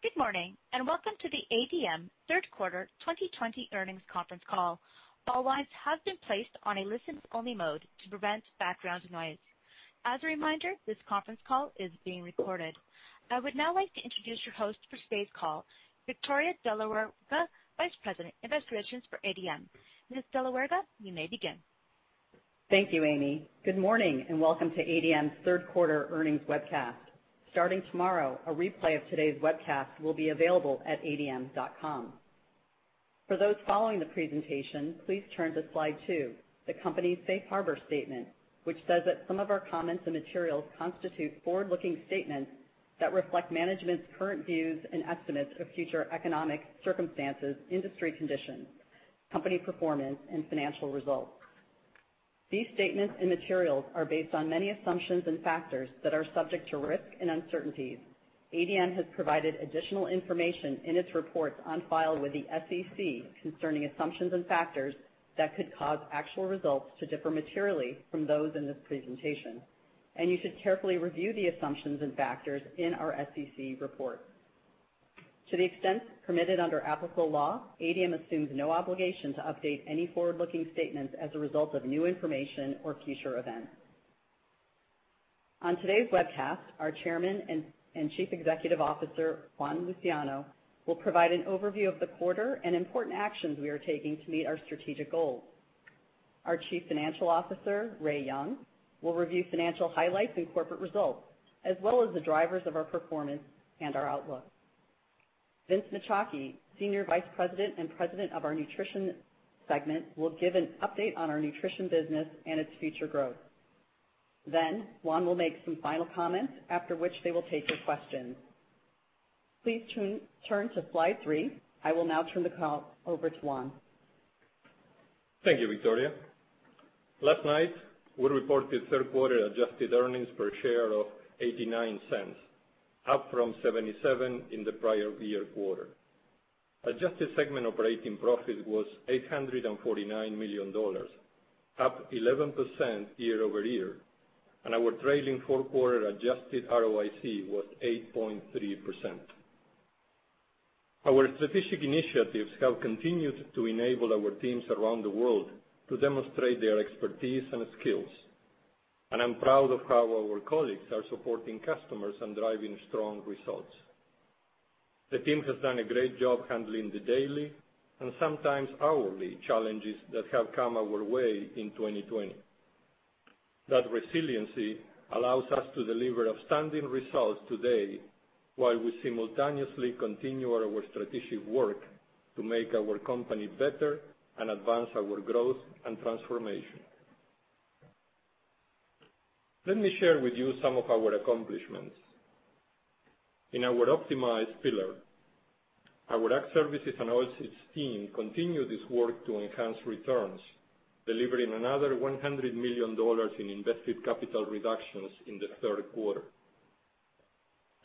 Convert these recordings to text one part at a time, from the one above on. Good morning, welcome to the ADM third Q3 2020 earnings conference call. All lines have been placed on a listen-only mode to prevent background noise. As a reminder, this conference call is being recorded. I would now like to introduce your host for today's call, Victoria de la Huerga, Vice President, Investor Relations for ADM. Ms. de la Huerga, you may begin. Thank you, Amy. Good morning and welcome to ADM's Q3 earnings webcast. Starting tomorrow, a replay of today's webcast will be available at adm.com. For those following the presentation, please turn to slide two, the company's safe harbor statement, which says that some of our comments and materials constitute forward-looking statements that reflect management's current views and estimates of future economic circumstances, industry conditions, company performance, and financial results. These statements and materials are based on many assumptions and factors that are subject to risk and uncertainties. ADM has provided additional information in its reports on file with the SEC concerning assumptions and factors that could cause actual results to differ materially from those in this presentation. You should carefully review the assumptions and factors in our SEC report. To the extent permitted under applicable law, ADM assumes no obligation to update any forward-looking statements as a result of new information or future events. On today's webcast, our Chairman and Chief Executive Officer, Juan Luciano, will provide an overview of the quarter and important actions we are taking to meet our strategic goals. Our Chief Financial Officer, Ray Young, will review financial highlights and corporate results, as well as the drivers of our performance and our outlook. Vince Macciocchi, Senior Vice President and President of our Nutrition segment, will give an update on our Nutrition business and its future growth. Juan will make some final comments, after which they will take your questions. Please turn to slide three. I will now turn the call over to Juan. Thank you, Victoria. Last night, we reported Q3 adjusted earnings per share of $0.89, up from $0.77 in the prior year quarter. Adjusted segment operating profit was $849 million, up 11% year-over-year, and our trailing Q4 adjusted ROIC was 8.3%. Our strategic initiatives have continued to enable our teams around the world to demonstrate their expertise and skills, and I'm proud of how our colleagues are supporting customers and driving strong results. The team has done a great job handling the daily, and sometimes hourly, challenges that have come our way in 2020. That resiliency allows us to deliver outstanding results today while we simultaneously continue our strategic work to make our company better and advance our growth and transformation. Let me share with you some of our accomplishments. In our Optimize pillar, our Ag Services and Oilseeds team continued its work to enhance returns, delivering another $100 million in invested capital reductions in the Q3.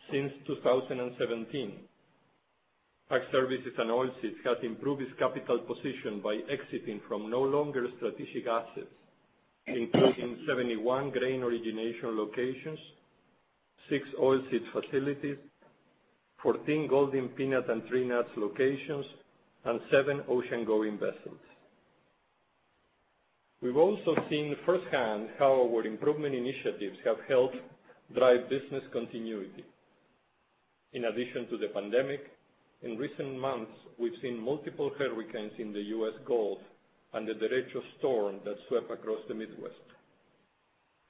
Since 2017, Ag Services and Oilseeds has improved its capital position by exiting from no longer strategic assets, including 71 grain origination locations, six oilseeds facilities, 14 Golden Peanut and Tree Nuts locations, and seven oceangoing vessels. We've also seen firsthand how our improvement initiatives have helped drive business continuity. In addition to the pandemic, in recent months, we've seen multiple hurricanes in the U.S. Gulf and the derecho storm that swept across the Midwest.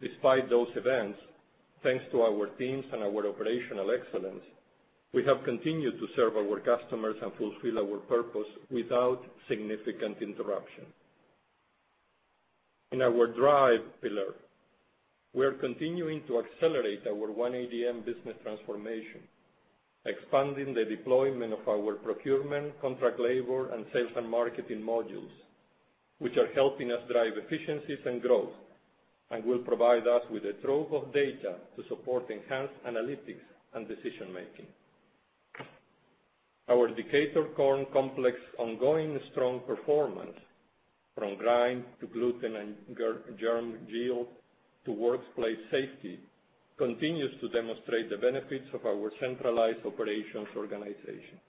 Despite those events, thanks to our teams and our operational excellence, we have continued to serve our customers and fulfill our purpose without significant interruption. In our Drive pillar, we are continuing to accelerate our One ADM business transformation, expanding the deployment of our procurement, contract labor, and sales and marketing modules, which are helping us drive efficiencies and growth and will provide us with a trove of data to support enhanced analytics and decision-making. Our Decatur corn complex ongoing strong performance from grind to gluten and germ yield to workplace safety continues to demonstrate the benefits of our centralized operations organization.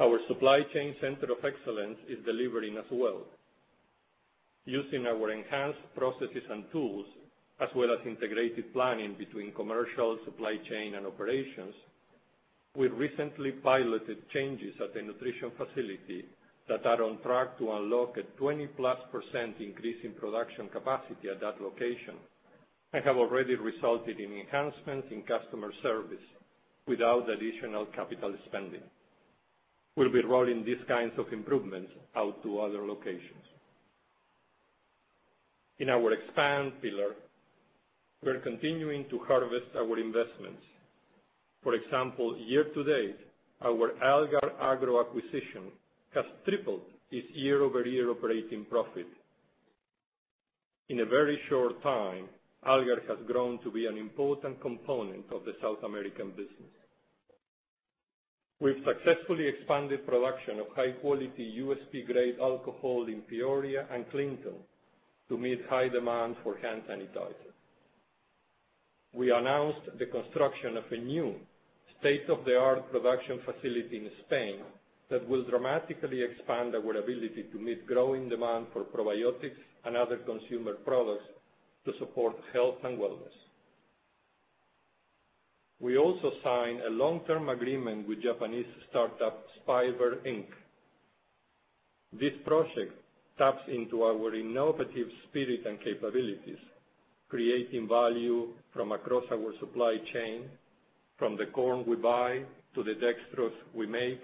Our supply chain center of excellence is delivering as well. Using our enhanced processes and tools, as well as integrated planning between commercial, supply chain, and operations, we recently piloted changes at the Nutrition facility that are on track to unlock a 20+% increase in production capacity at that location and have already resulted in enhancements in customer service without additional capital spending. We'll be rolling these kinds of improvements out to other locations. In our Expand pillar, we're continuing to harvest our investments. For example, year to date, our Algar Agro acquisition has tripled its year-over-year operating profit. In a very short time, Algar has grown to be an important component of the South American. We've successfully expanded production of high-quality USP-grade alcohol in Peoria and Clinton to meet high demand for hand sanitizer. We announced the construction of a new state-of-the-art production facility in Spain that will dramatically expand our ability to meet growing demand for probiotics and other consumer products to support health and wellness. We also signed a long-term agreement with Japanese startup Spiber Inc. This project taps into our innovative spirit and capabilities, creating value from across our supply chain, from the corn we buy, to the dextrose we make,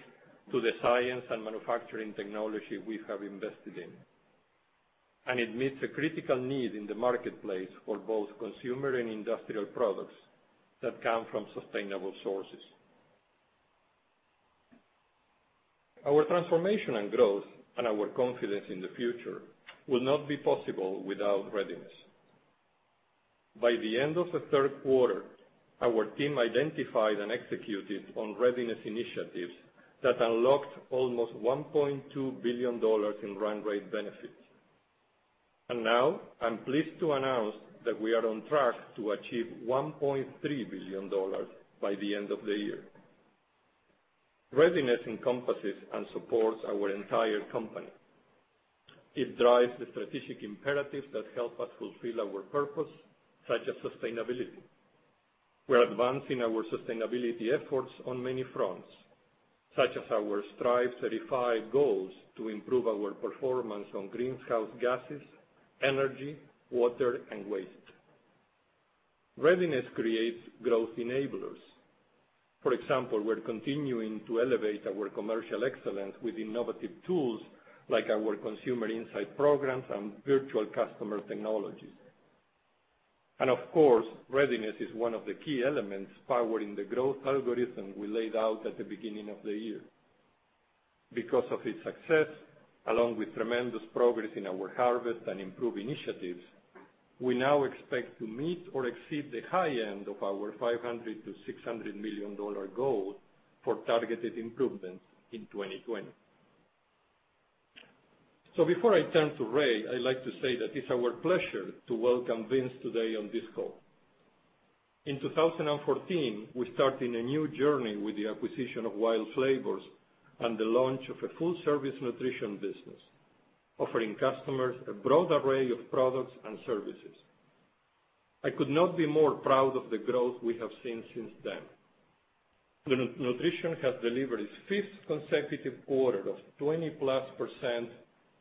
to the science and manufacturing technology we have invested in. It meets a critical need in the marketplace for both consumer and industrial products that come from sustainable sources. Our transformation and growth, and our confidence in the future, would not be possible without readiness. By the end of the Q3, our team identified and executed on readiness initiatives that unlocked almost $1.2 billion in run rate benefits. Now, I'm pleased to announce that we are on track to achieve $1.3 billion by the end of the year. Readiness encompasses and supports our entire company. It drives the strategic imperatives that help us fulfill our purpose, such as sustainability. We're advancing our sustainability efforts on many fronts, such as our Strive 35 goals to improve our performance on greenhouse gases, energy, water, and waste. Readiness creates growth enablers. For example, we're continuing to elevate our commercial excellence with innovative tools like our consumer insight programs and virtual customer technologies. Of course, readiness is one of the key elements powering the growth algorithm we laid out at the beginning of the year. Because of its success, along with tremendous progress in our Harvest and Improve initiatives, we now expect to meet or exceed the high end of our $500 million-$600 million goal for targeted improvements in 2020. Before I turn to Ray, I'd like to say that it's our pleasure to welcome Vince today on this call. In 2014, we started a new journey with the acquisition of WILD Flavors and the launch of a full-service Nutrition business, offering customers a broad array of products and services. I could not be more proud of the growth we have seen since then. Nutrition has delivered its fifth consecutive quarter of 20+%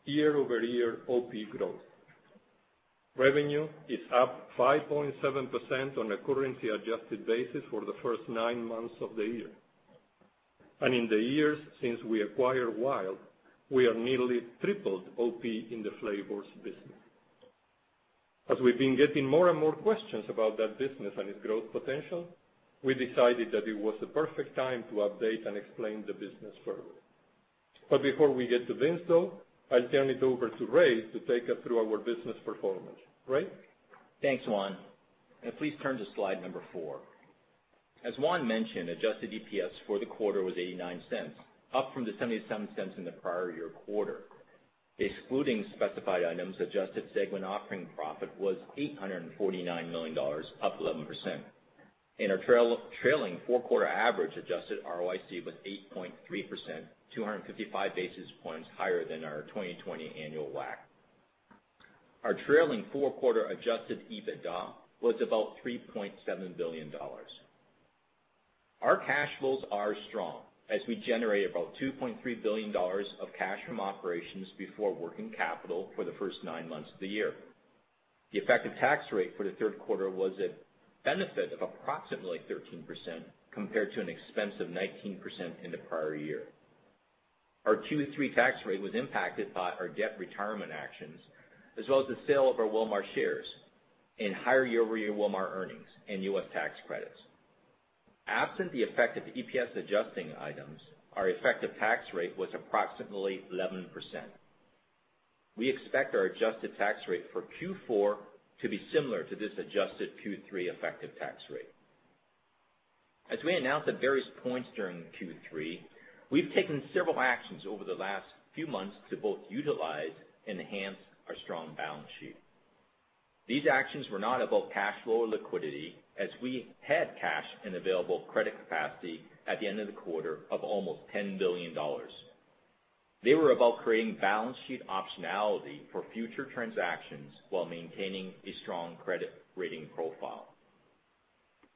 year-over-year OP growth. Revenue is up 5.7% on a currency-adjusted basis for the first nine months of the year. In the years since we acquired WILD, we have nearly tripled OP in the Flavors business. As we've been getting more and more questions about that business and its growth potential, we decided that it was the perfect time to update and explain the business further. Before we get to Vince, though, I'll turn it over to Ray to take us through our business performance. Ray? Thanks, Juan. Please turn to slide number four. As Juan mentioned, adjusted EPS for the quarter was $0.89, up from the $0.77 in the prior-year quarter. Excluding specified items, adjusted segment operating profit was $849 million, up 11%. Our trailing Q4 average adjusted ROIC was 8.3%, 255 basis points higher than our 2020 annual WACC. Our trailing Q4 adjusted EBITDA was about $3.7 billion. Our cash flows are strong, as we generate about $2.3 billion of cash from operations before working capital for the first nine months of the year. The effective tax rate for the Q3 was a benefit of approximately 13% compared to an expense of 19% in the prior-year. Our Q3 tax rate was impacted by our debt retirement actions, as well as the sale of our Wilmar shares and higher year-over-year Wilmar earnings and U.S. tax credits. Absent the effect of EPS adjusting items, our effective tax rate was approximately 11%. We expect our adjusted tax rate for Q4 to be similar to this adjusted Q3 effective tax rate. As we announced at various points during Q3, we've taken several actions over the last few months to both utilize and enhance our strong balance sheet. These actions were not about cash flow or liquidity, as we had cash and available credit capacity at the end of the quarter of almost $10 billion. They were about creating balance sheet optionality for future transactions while maintaining a strong credit rating profile.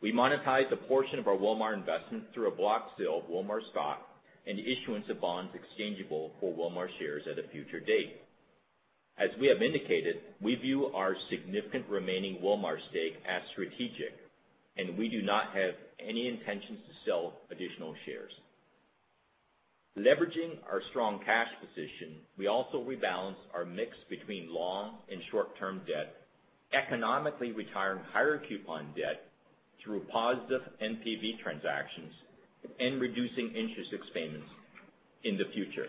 We monetized a portion of our Wilmar investment through a block sale of Wilmar stock and the issuance of bonds exchangeable for Wilmar shares at a future date. As we have indicated, we view our significant remaining Wilmar stake as strategic, and we do not have any intentions to sell additional shares. Leveraging our strong cash position, we also rebalanced our mix between long and short-term debt, economically retiring higher coupon debt through positive NPV transactions and reducing interest expense in the future.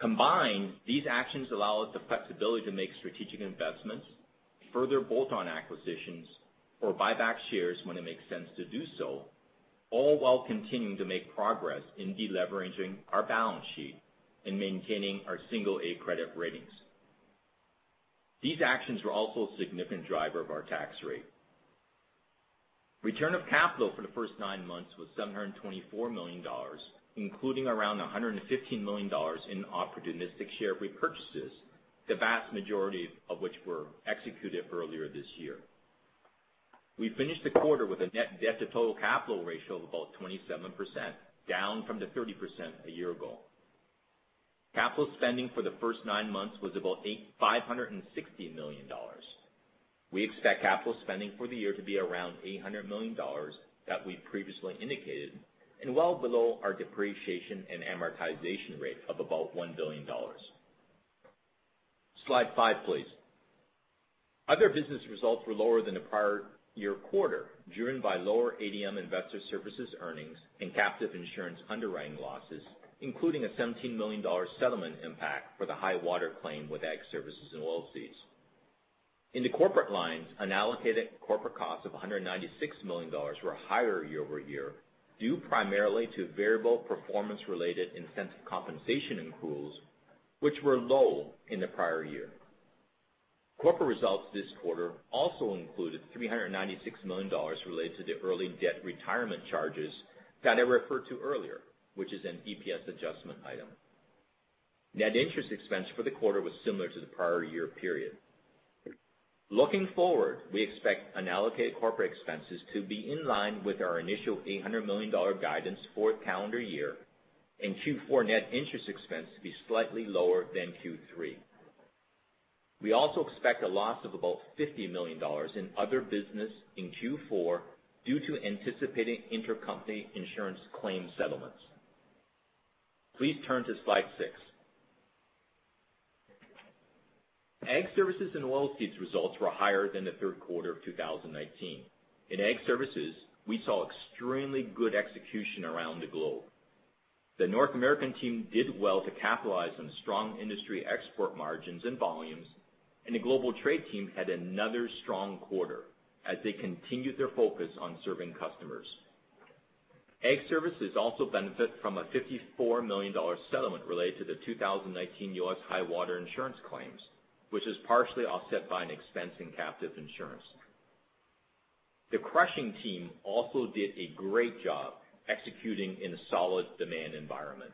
Combined, these actions allow us the flexibility to make strategic investments, further bolt-on acquisitions, or buy back shares when it makes sense to do so, all while continuing to make progress in de-leveraging our balance sheet and maintaining our single A credit ratings. These actions were also a significant driver of our tax rate. Return of capital for the first nine months was $724 million, including around $115 million in opportunistic share repurchases, the vast majority of which were executed earlier this year. We finished the quarter with a net debt to total capital ratio of about 27%, down from the 30% a year ago. Capital spending for the first nine months was about $560 million. We expect capital spending for the year to be around $800 million that we've previously indicated, and well below our depreciation and amortization rate of about $1 billion. Slide five, please. Other business results were lower than the prior year quarter, driven by lower ADM Investor Services earnings and captive insurance underwriting losses, including a $17 million settlement impact for the high water claim with Ag Services and Oilseeds. In the corporate lines, unallocated corporate costs of $196 million were higher year-over-year, due primarily to variable performance-related incentive compensation accruals, which were low in the prior year. Corporate results this quarter also included $396 million related to the early debt retirement charges that I referred to earlier, which is an EPS adjustment item. Net interest expense for the quarter was similar to the prior year period. Looking forward, we expect unallocated corporate expenses to be in line with our initial $800 million guidance for calendar year and Q4 net interest expense to be slightly lower than Q3. We also expect a loss of about $50 million in other business in Q4 due to anticipating intercompany insurance claim settlements. Please turn to slide six. Ag Services and Oilseeds results were higher than the Q3 of 2019. In Ag Services, we saw extremely good execution around the globe. The North American team did well to capitalize on strong industry export margins and volumes, and the global trade team had another strong quarter as they continued their focus on serving customers. Ag Services also benefit from a $54 million settlement related to the 2019 U.S. high-water insurance claims, which is partially offset by an expense in captive insurance. The crushing team also did a great job executing in a solid demand environment.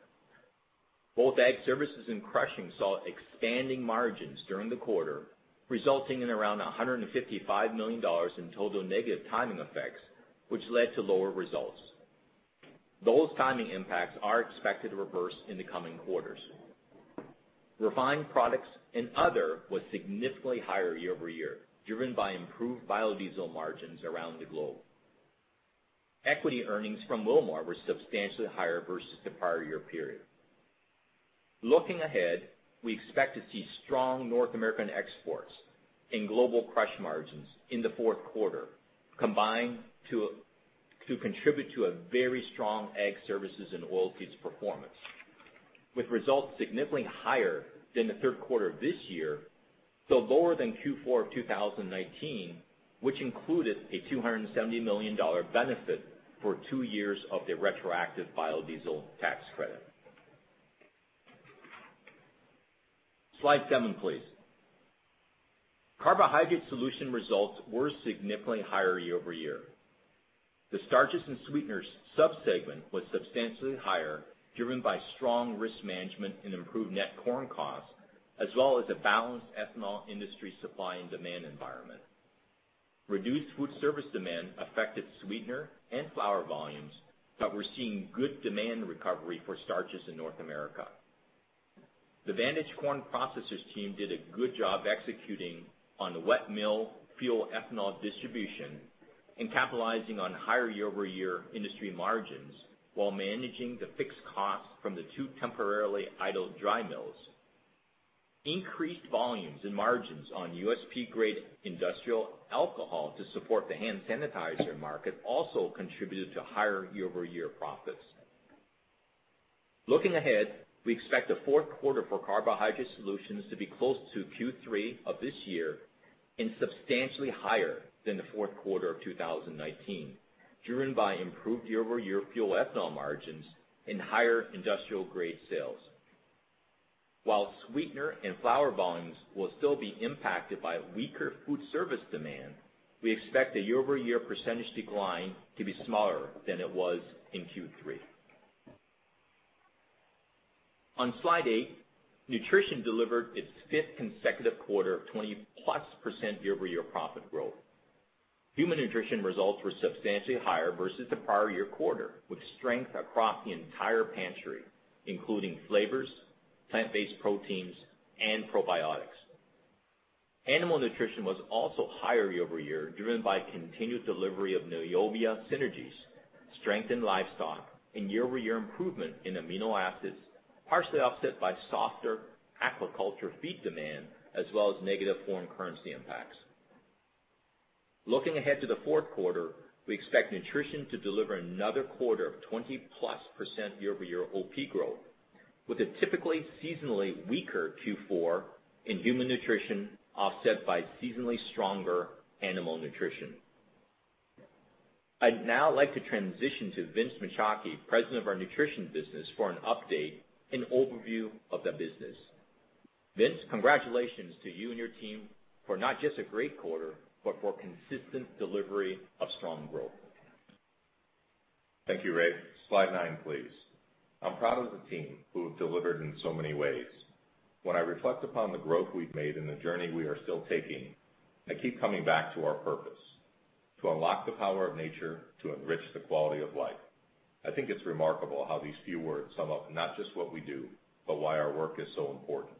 Both Ag Services and crushing saw expanding margins during the quarter, resulting in around $155 million in total negative timing effects, which led to lower results. Those timing impacts are expected to reverse in the coming quarters. Refined products and other was significantly higher year-over-year, driven by improved biodiesel margins around the globe. Equity earnings from Wilmar were substantially higher versus the prior year period. Looking ahead, we expect to see strong North American exports and global crush margins in the Q4 combined to contribute to a very strong Ag Services and Oilseeds performance, with results significantly higher than the Q3 of this year, though lower than Q4 of 2019, which included a $270 million benefit for two years of the retroactive biodiesel tax credit. Slide seven, please. Carbohydrate Solutions results were significantly higher year-over-year. The starches and sweeteners sub-segment was substantially higher, driven by strong risk management and improved net corn costs, as well as a balanced ethanol industry supply and demand environment. Reduced food service demand affected sweetener and flour volumes, but we're seeing good demand recovery for starches in North America. The Vantage Corn Processors team did a good job executing on the wet mill fuel ethanol distribution and capitalizing on higher year-over-year industry margins while managing the fixed cost from the two temporarily idled dry mills. Increased volumes and margins on USP-grade industrial alcohol to support the hand sanitizer market also contributed to higher year-over-year profits. Looking ahead, we expect the Q4 for Carbohydrate Solutions to be close to Q3 of this year and substantially higher than the Q4 of 2019, driven by improved year-over-year fuel ethanol margins and higher industrial-grade sales. While sweetener and flour volumes will still be impacted by weaker food service demand, we expect the year-over-year % decline to be smaller than it was in Q3. On slide eight, Nutrition delivered its fifth consecutive quarter of 20+% year-over-year profit growth. Human Nutrition results were substantially higher versus the prior year quarter, with strength across the entire pantry, including flavors, plant-based proteins, and probiotics. Animal Nutrition was also higher year-over-year, driven by continued delivery of Neovia synergies, strength in livestock, and year-over-year improvement in amino acids, partially offset by softer aquaculture feed demand, as well as negative foreign currency impacts. Looking ahead to the Q4, we expect Nutrition to deliver another quarter of 20%+ year-over-year OP growth, with a typically seasonally weaker Q4 in Human Nutrition offset by seasonally stronger Animal Nutrition. I'd now like to transition to Vince Macciocchi, President of our Nutrition Business, for an update and overview of that business. Vince, congratulations to you and your team for not just a great quarter, but for consistent delivery of strong growth. Thank you, Ray. Slide nine, please. I'm proud of the team who have delivered in so many ways. When I reflect upon the growth we've made and the journey we are still taking, I keep coming back to our purpose: to unlock the power of nature to enrich the quality of life. I think it's remarkable how these few words sum up not just what we do, but why our work is so important.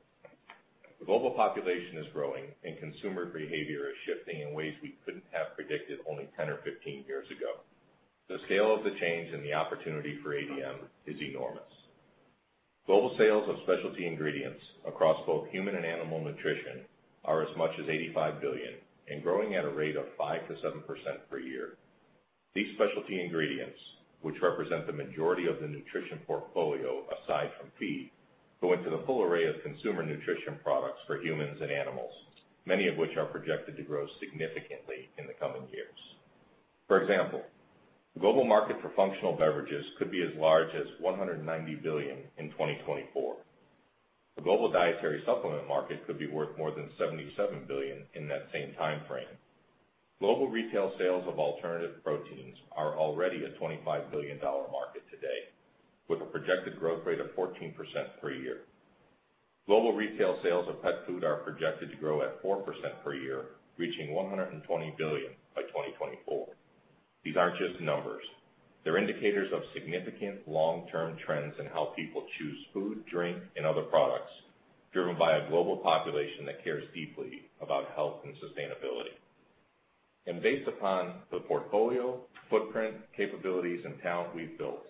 The global population is growing, and consumer behavior is shifting in ways we couldn't have predicted only 10 or 15 years ago. The scale of the change and the opportunity for ADM is enormous. Global sales of specialty ingredients across both human and animal Nutrition are as much as $85 billion and growing at a rate of 5%-7% per year. These specialty ingredients, which represent the majority of the Nutrition portfolio aside from feed, go into the full array of consumer nutrition products for humans and animals, many of which are projected to grow significantly in the coming years. For example, the global market for functional beverages could be as large as $190 billion in 2024. The global dietary supplement market could be worth more than $77 billion in that same timeframe. Global retail sales of alternative proteins are already a $25 billion market today, with a projected growth rate of 14% per year. Global retail sales of pet food are projected to grow at 4% per year, reaching $120 billion by 2024. These aren't just numbers. They're indicators of significant long-term trends in how people choose food, drink, and other products driven by a global population that cares deeply about health and sustainability. Based upon the portfolio, footprint, capabilities, and talent we've built,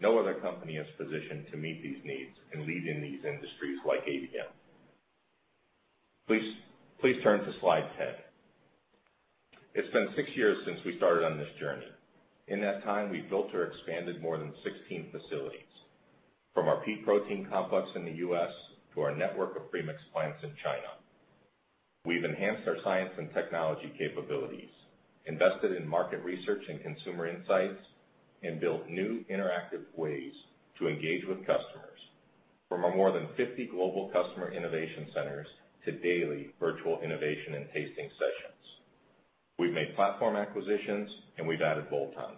no other company is positioned to meet these needs and lead in these industries like ADM. Please turn to slide 10. It's been six years since we started on this journey. In that time, we've built or expanded more than 16 facilities, from our pea protein complex in the U.S. to our network of premix plants in China. We've enhanced our science and technology capabilities, invested in market research and consumer insights, and built new interactive ways to engage with customers, from our more than 50 global customer innovation centers to daily virtual innovation and tasting sessions. We've made platform acquisitions, and we've added bolt-ons.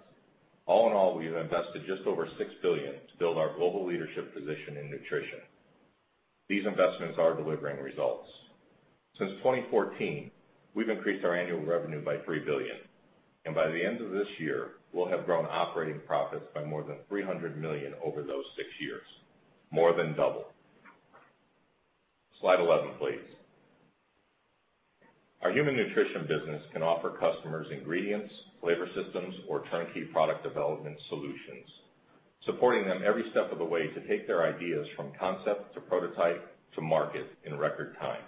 All in all, we've invested just over $6 billion to build our global leadership position in Nutrition. These investments are delivering results. Since 2014, we've increased our annual revenue by $3 billion, and by the end of this year, we'll have grown operating profits by more than $300 million over those six years, more than double. Slide 11, please. Our Human Nutrition business can offer customers ingredients, flavor systems, or turnkey product development solutions, supporting them every step of the way to take their ideas from concept to prototype to market in record time.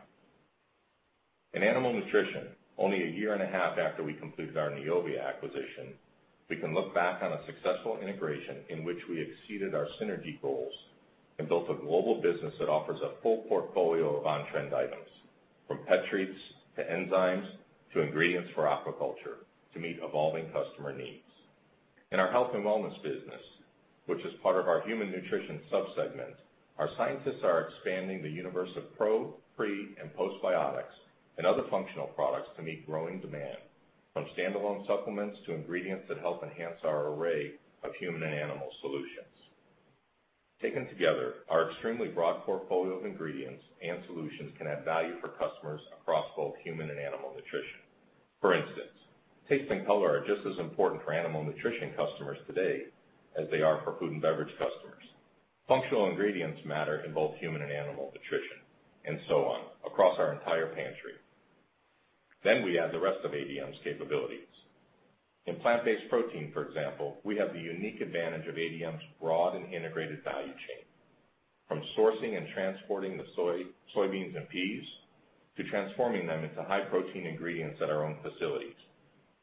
In Animal Nutrition, only a year and a half after we completed our Neovia acquisition, we can look back on a successful integration in which we exceeded our synergy goals and built a global business that offers a full portfolio of on-trend items, from pet treats to enzymes to ingredients for aquaculture to meet evolving customer needs. In our health and wellness business, which is part of our human nutrition sub-segment, our scientists are expanding the universe of pro, pre, and postbiotics and other functional products to meet growing demand, from standalone supplements to ingredients that help enhance our array of human and animal solutions. Taken together, our extremely broad portfolio of ingredients and solutions can add value for customers across both human and animal nutrition. For instance, taste and color are just as important for animal nutrition customers today as they are for food and beverage customers. Functional ingredients matter in both human and animal nutrition, and so on, across our entire pantry. We add the rest of ADM's capabilities. In plant-based protein, for example, we have the unique advantage of ADM's broad and integrated value chain, from sourcing and transporting the soybeans and peas, to transforming them into high-protein ingredients at our own facilities,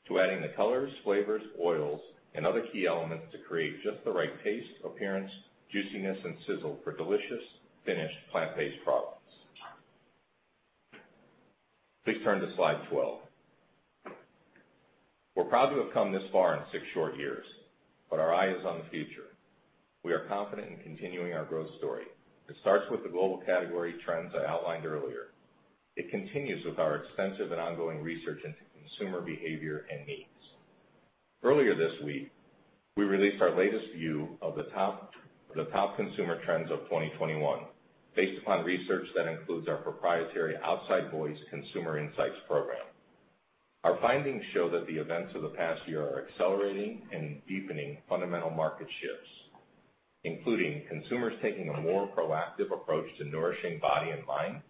to adding the colors, flavors, oils, and other key elements to create just the right taste, appearance, juiciness, and sizzle for delicious finished plant-based products. Please turn to slide 12. We're proud to have come this far in six short years, but our eye is on the future. We are confident in continuing our growth story. It starts with the global category trends I outlined earlier. It continues with our extensive and ongoing research into consumer behavior and needs. Earlier this week, we released our latest view of the top consumer trends of 2021 based upon research that includes our proprietary Outside Voice consumer insights program. Our findings show that the events of the past year are accelerating and deepening fundamental market shifts, including consumers taking a more proactive approach to nourishing body and mind,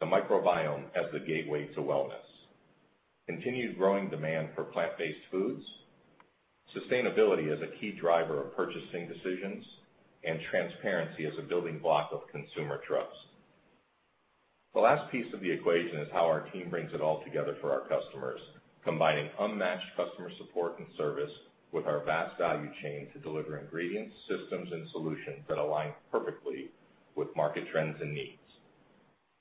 the microbiome as the gateway to wellness, continued growing demand for plant-based foods. Sustainability is a key driver of purchasing decisions, and transparency is a building block of consumer trust. The last piece of the equation is how our team brings it all together for our customers, combining unmatched customer support and service with our vast value chain to deliver ingredients, systems, and solutions that align perfectly with market trends and needs.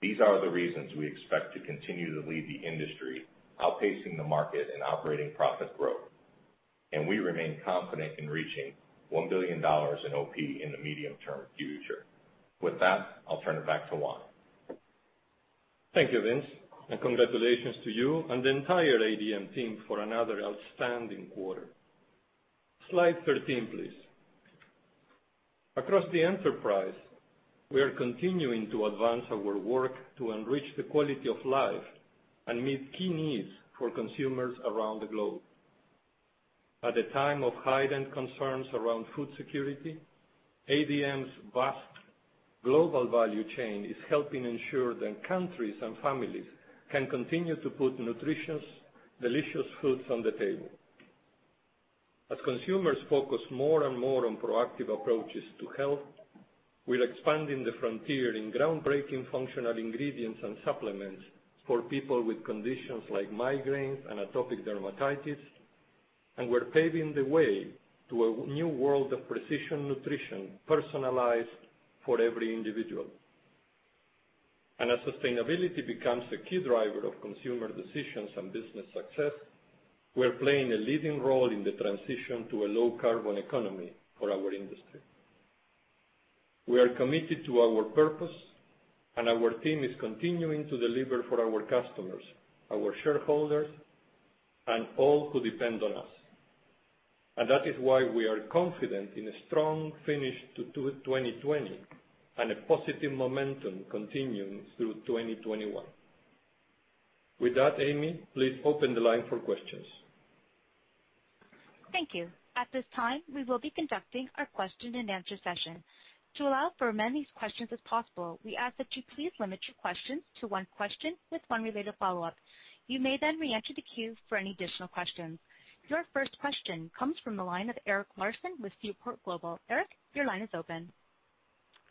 These are the reasons we expect to continue to lead the industry, outpacing the market in operating profit growth. We remain confident in reaching $1 billion in OP in the medium-term future. With that, I'll turn it back to Juan. Thank you, Vince. Congratulations to you and the entire ADM team for another outstanding quarter. Slide 13, please. Across the enterprise, we are continuing to advance our work to enrich the quality of life and meet key needs for consumers around the globe. At a time of heightened concerns around food security, ADM's vast global value chain is helping ensure that countries and families can continue to put nutritious, delicious foods on the table. As consumers focus more and more on proactive approaches to health, we're expanding the frontier in groundbreaking functional ingredients and supplements for people with conditions like migraines and atopic dermatitis. We're paving the way to a new world of precision nutrition personalized for every individual. As sustainability becomes a key driver of consumer decisions and business success, we're playing a leading role in the transition to a low-carbon economy for our industry. We are committed to our purpose, and our team is continuing to deliver for our customers, our shareholders, and all who depend on us. That is why we are confident in a strong finish to 2020 and a positive momentum continuing through 2021. With that, Amy, please open the line for questions. Thank you. At this time, we will be conducting our question and answer session. To allow for as many questions as possible, we ask that you please limit your questions to one question with one related follow-up. You may then reenter the queue for any additional questions. Your first question comes from the line of Eric Larson with Seaport Global. Eric, your line is open.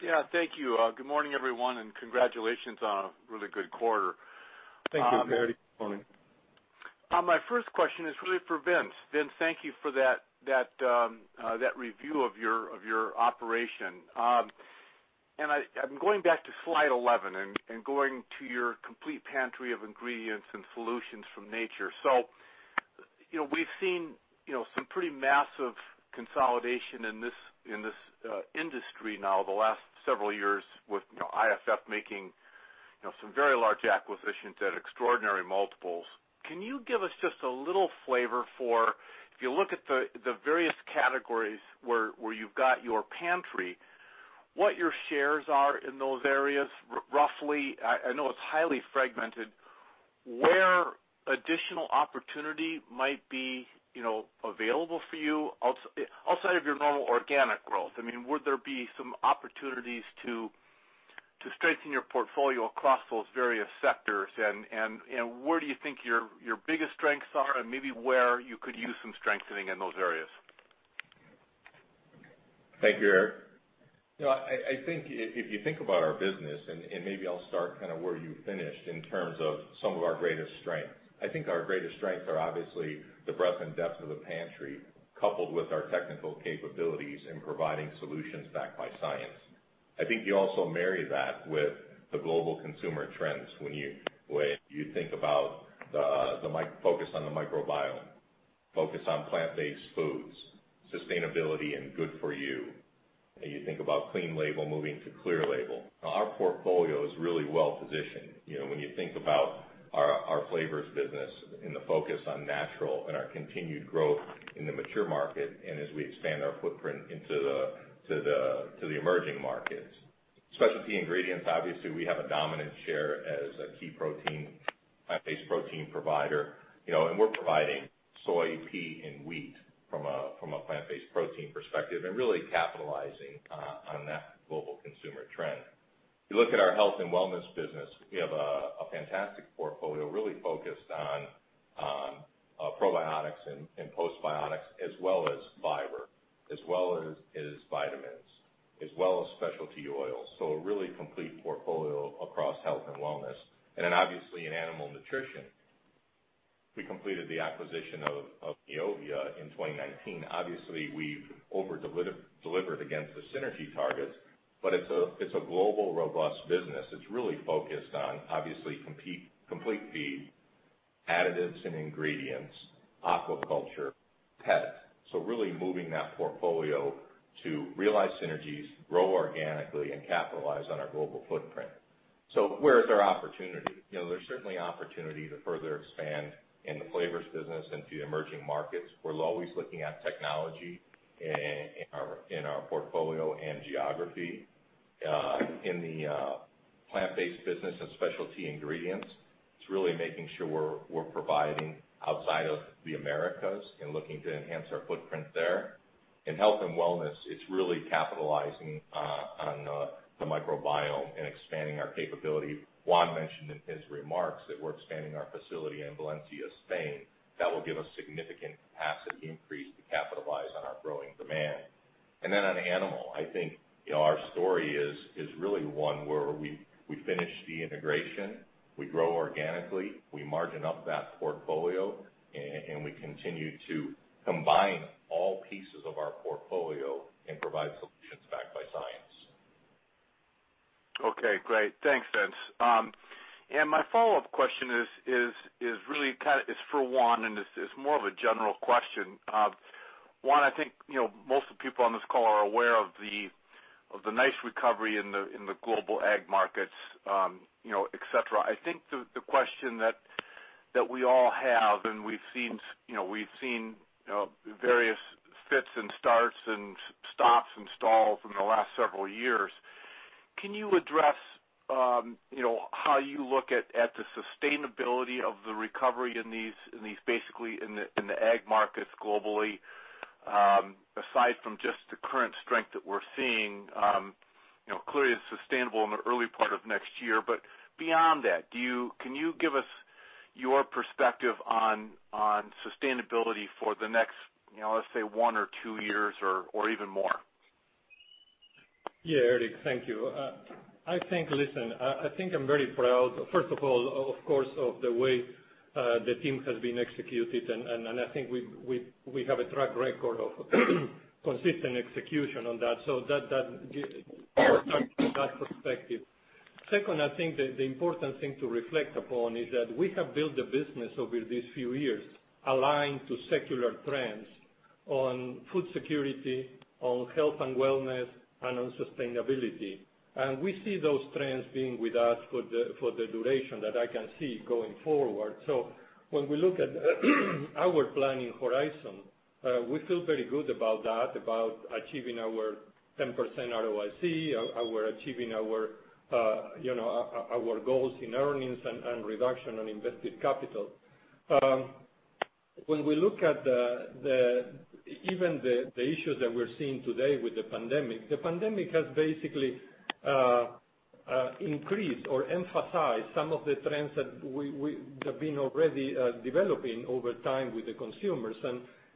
Yeah, thank you. Good morning, everyone, and congratulations on a really good quarter. Thank you, Eric. Good morning. My first question is really for Vince. Vince, thank you for that review of your operation. I'm going back to slide 11 and going to your complete pantry of ingredients and solutions from nature. We've seen some pretty massive consolidation in this industry now the last several years with IFF making some very large acquisitions at extraordinary multiples. Can you give us just a little flavor for, if you look at the various categories where you've got your pantry, what your shares are in those areas, roughly? I know it's highly fragmented. Where additional opportunity might be available for you outside of your normal organic growth? Would there be some opportunities to strengthen your portfolio across those various sectors? Where do you think your biggest strengths are and maybe where you could use some strengthening in those areas? Thank you, Eric. I think if you think about our business, and maybe I'll start where you finished in terms of some of our greatest strengths. I think our greatest strengths are obviously the breadth and depth of the pantry, coupled with our technical capabilities in providing solutions backed by science. I think you also marry that with the global consumer trends when you think about the focus on the microbiome, focus on plant-based foods, sustainability, and good for you. You think about clean label moving to clear label. Our portfolio is really well-positioned. When you think about our flavors business and the focus on natural and our continued growth in the mature market, and as we expand our footprint into the emerging markets. Specialty ingredients, obviously, we have a dominant share as a pea protein, plant-based protein provider. We're providing soy, pea, and wheat from a plant-based protein perspective and really capitalizing on that global consumer trend. If you look at our health and wellness business, we have a fantastic portfolio really focused on probiotics and postbiotics as well as fiber, as well as vitamins, as well as specialty oils. A really complete portfolio across health and wellness. Obviously in animal Nutrition, we completed the acquisition of Neovia in 2019. Obviously, we've over-delivered against the synergy targets, but it's a global, robust business. It's really focused on, obviously, complete feed, additives and ingredients, aquaculture, pet. Really moving that portfolio to realize synergies, grow organically, and capitalize on our global footprint. Where is our opportunity? There's certainly opportunity to further expand in the flavors business into emerging markets. We're always looking at technology in our portfolio and geography. In the plant-based business and specialty ingredients, it is really making sure we are providing outside of the Americas and looking to enhance our footprint there. In health and wellness, it is really capitalizing on the microbiome and expanding our capability. Juan mentioned in his remarks that we are expanding our facility in Valencia, Spain. That will give us significant capacity increase to capitalize on our growing demand. On Animal, I think our story is really one where we finish the integration, we grow organically, we margin up that portfolio, and we continue to combine all pieces of our portfolio and provide solutions backed by science. Okay, great. Thanks, Vince. My follow-up question is for Juan, and it's more of a general question. Juan, I think, most of the people on this call are aware of the nice recovery in the global Ag markets, et cetera. I think the question that we all have, and we've seen various fits and starts and stops and stalls in the last several years. Can you address how you look at the sustainability of the recovery in these, basically in the Ag markets globally, aside from just the current strength that we're seeing? Clearly it's sustainable in the early part of next year, but beyond that, can you give us your perspective on sustainability for the next, let's say, one or two years, or even more? Yeah, Eric, thank you. Listen, I think I'm very proud, first of all, of course, of the way the team has been executed, and I think we have a track record of consistent execution on that, so that perspective. Second, I think the important thing to reflect upon is that we have built the business over these few years aligned to secular trends on food security, on health and wellness, and on sustainability. We see those trends being with us for the duration that I can see going forward. When we look at our planning horizon, we feel very good about that, about achieving our 10% ROIC, achieving our goals in earnings and reduction on invested capital. When we look at even the issues that we're seeing today with the pandemic, the pandemic has basically increased or emphasized some of the trends that have been already developing over time with the consumers.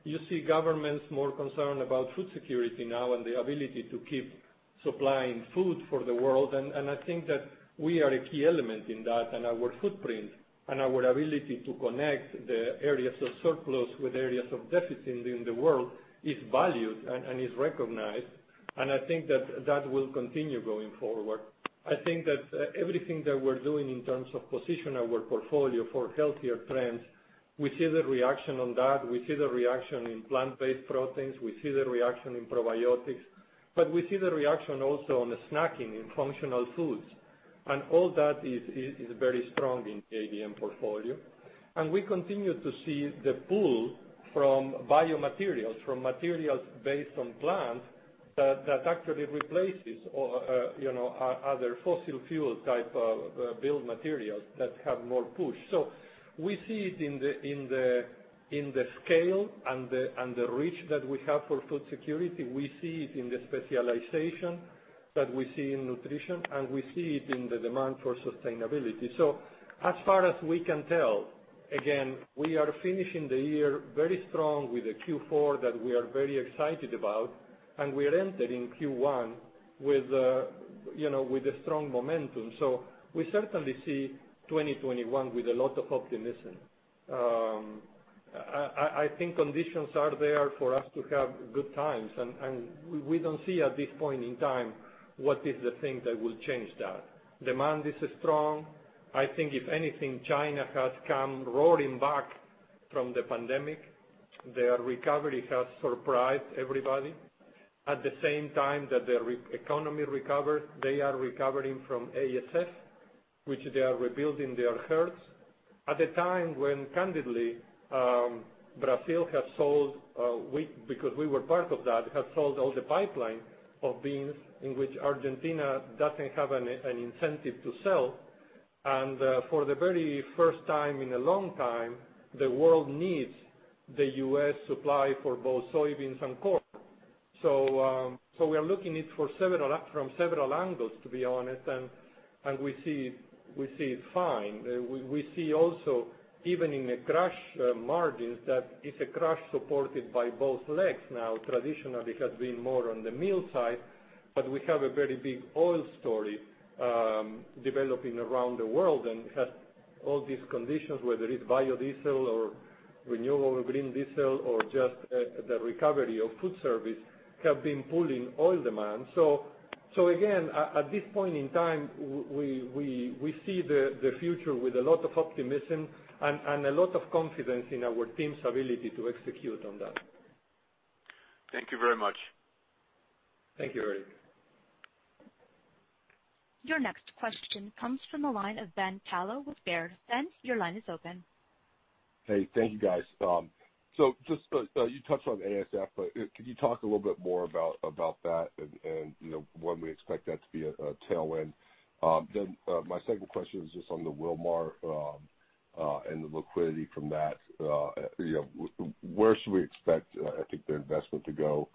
You see governments more concerned about food security now and the ability to keep supplying food for the world. I think that we are a key element in that, and our footprint and our ability to connect the areas of surplus with areas of deficit in the world is valued and is recognized. I think that will continue going forward. I think that everything that we're doing in terms of position our portfolio for healthier trends, we see the reaction on that. We see the reaction in plant-based proteins. We see the reaction in probiotics. We see the reaction also on the snacking and functional foods. All that is very strong in the ADM portfolio. We continue to see the pull from biomaterials, from materials based on plants, that actually replaces other fossil fuel type of build materials that have more push. We see it in the scale and the reach that we have for food security. We see it in the specialization that we see in Nutrition, and we see it in the demand for sustainability. As far as we can tell, again, we are finishing the year very strong with a Q4 that we are very excited about. We are entering Q1 with a strong momentum. We certainly see 2021 with a lot of optimism. I think conditions are there for us to have good times, and we don't see at this point in time what is the thing that will change that. Demand is strong. I think if anything, China has come roaring back from the pandemic. Their recovery has surprised everybody. At the same time that their economy recovers, they are recovering from ASF, which they are rebuilding their herds. At the time when candidly, Brazil has sold, because we were part of that, has sold all the pipeline of beans in which Argentina doesn't have an incentive to sell. For the very first time in a long time, the world needs the U.S. supply for both soybeans and corn. We are looking it from several angles, to be honest, and we see it fine. We see also, even in the crush margins, that it's a crush supported by both legs now. Traditionally, it has been more on the meal side, but we have a very big oil story developing around the world. It has all these conditions, whether it's biodiesel or renewable green diesel or just the recovery of food service, have been pulling oil demand. Again, at this point in time, we see the future with a lot of optimism and a lot of confidence in our team's ability to execute on that. Thank you very much. Thank you, Eric. Your next question comes from the line of Ben Kallo with Baird. Ben, your line is open. Hey, thank you, guys. Just, you touched on ASF, but could you talk a little bit more about that and when we expect that to be a tailwind? My second question is just on the Wilmar and the liquidity from that. Where should we expect, I think, the investment to go?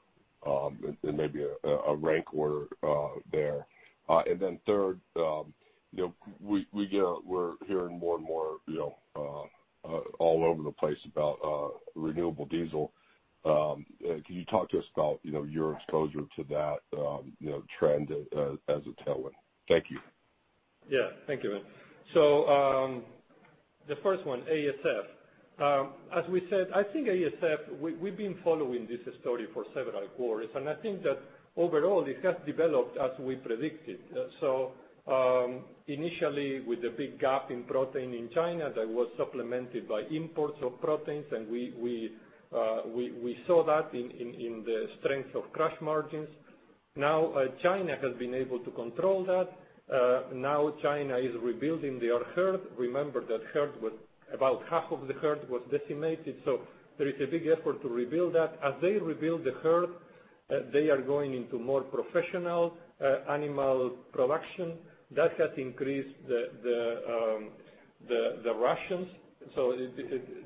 Maybe a rank order there. Third, we're hearing more and more all over the place about renewable diesel. Can you talk to us about your exposure to that trend as a tailwind? Thank you. Yeah. Thank you, man. The first one, ASF. As we said, I think ASF, we've been following this story for several quarters, and I think that overall, it has developed as we predicted. Initially with the big gap in protein in China, that was supplemented by imports of proteins, and we saw that in the strength of crush margins. China has been able to control that. China is rebuilding their herd. Remember that about half of the herd was decimated, there is a big effort to rebuild that. As they rebuild the herd, they are going into more professional animal production. That has increased the rations.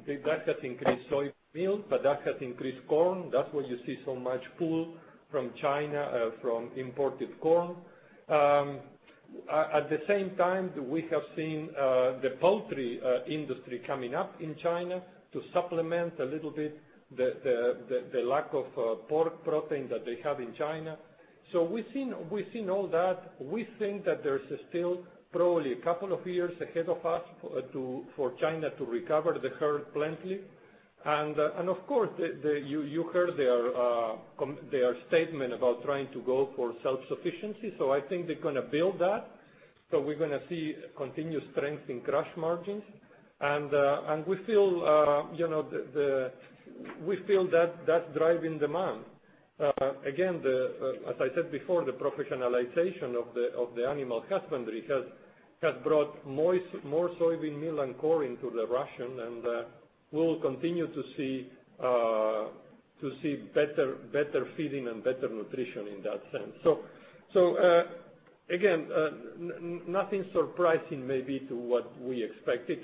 That has increased soybean meal, but that has increased corn. That's why you see so much pull from China from imported corn. At the same time, we have seen the poultry industry coming up in China to supplement a little bit the lack of pork protein that they have in China. We've seen all that. We think that there's still probably a couple of years ahead of us for China to recover the herd plenty. Of course, you heard their statement about trying to go for self-sufficiency. I think they're going to build that. We're going to see continued strength in crush margins. We feel that that's driving demand. Again, as I said before, the professionalization of the animal husbandry has brought more soybean meal and corn to the ration, and we'll continue to see better feeding and better nutrition in that sense. Again, nothing surprising maybe to what we expected.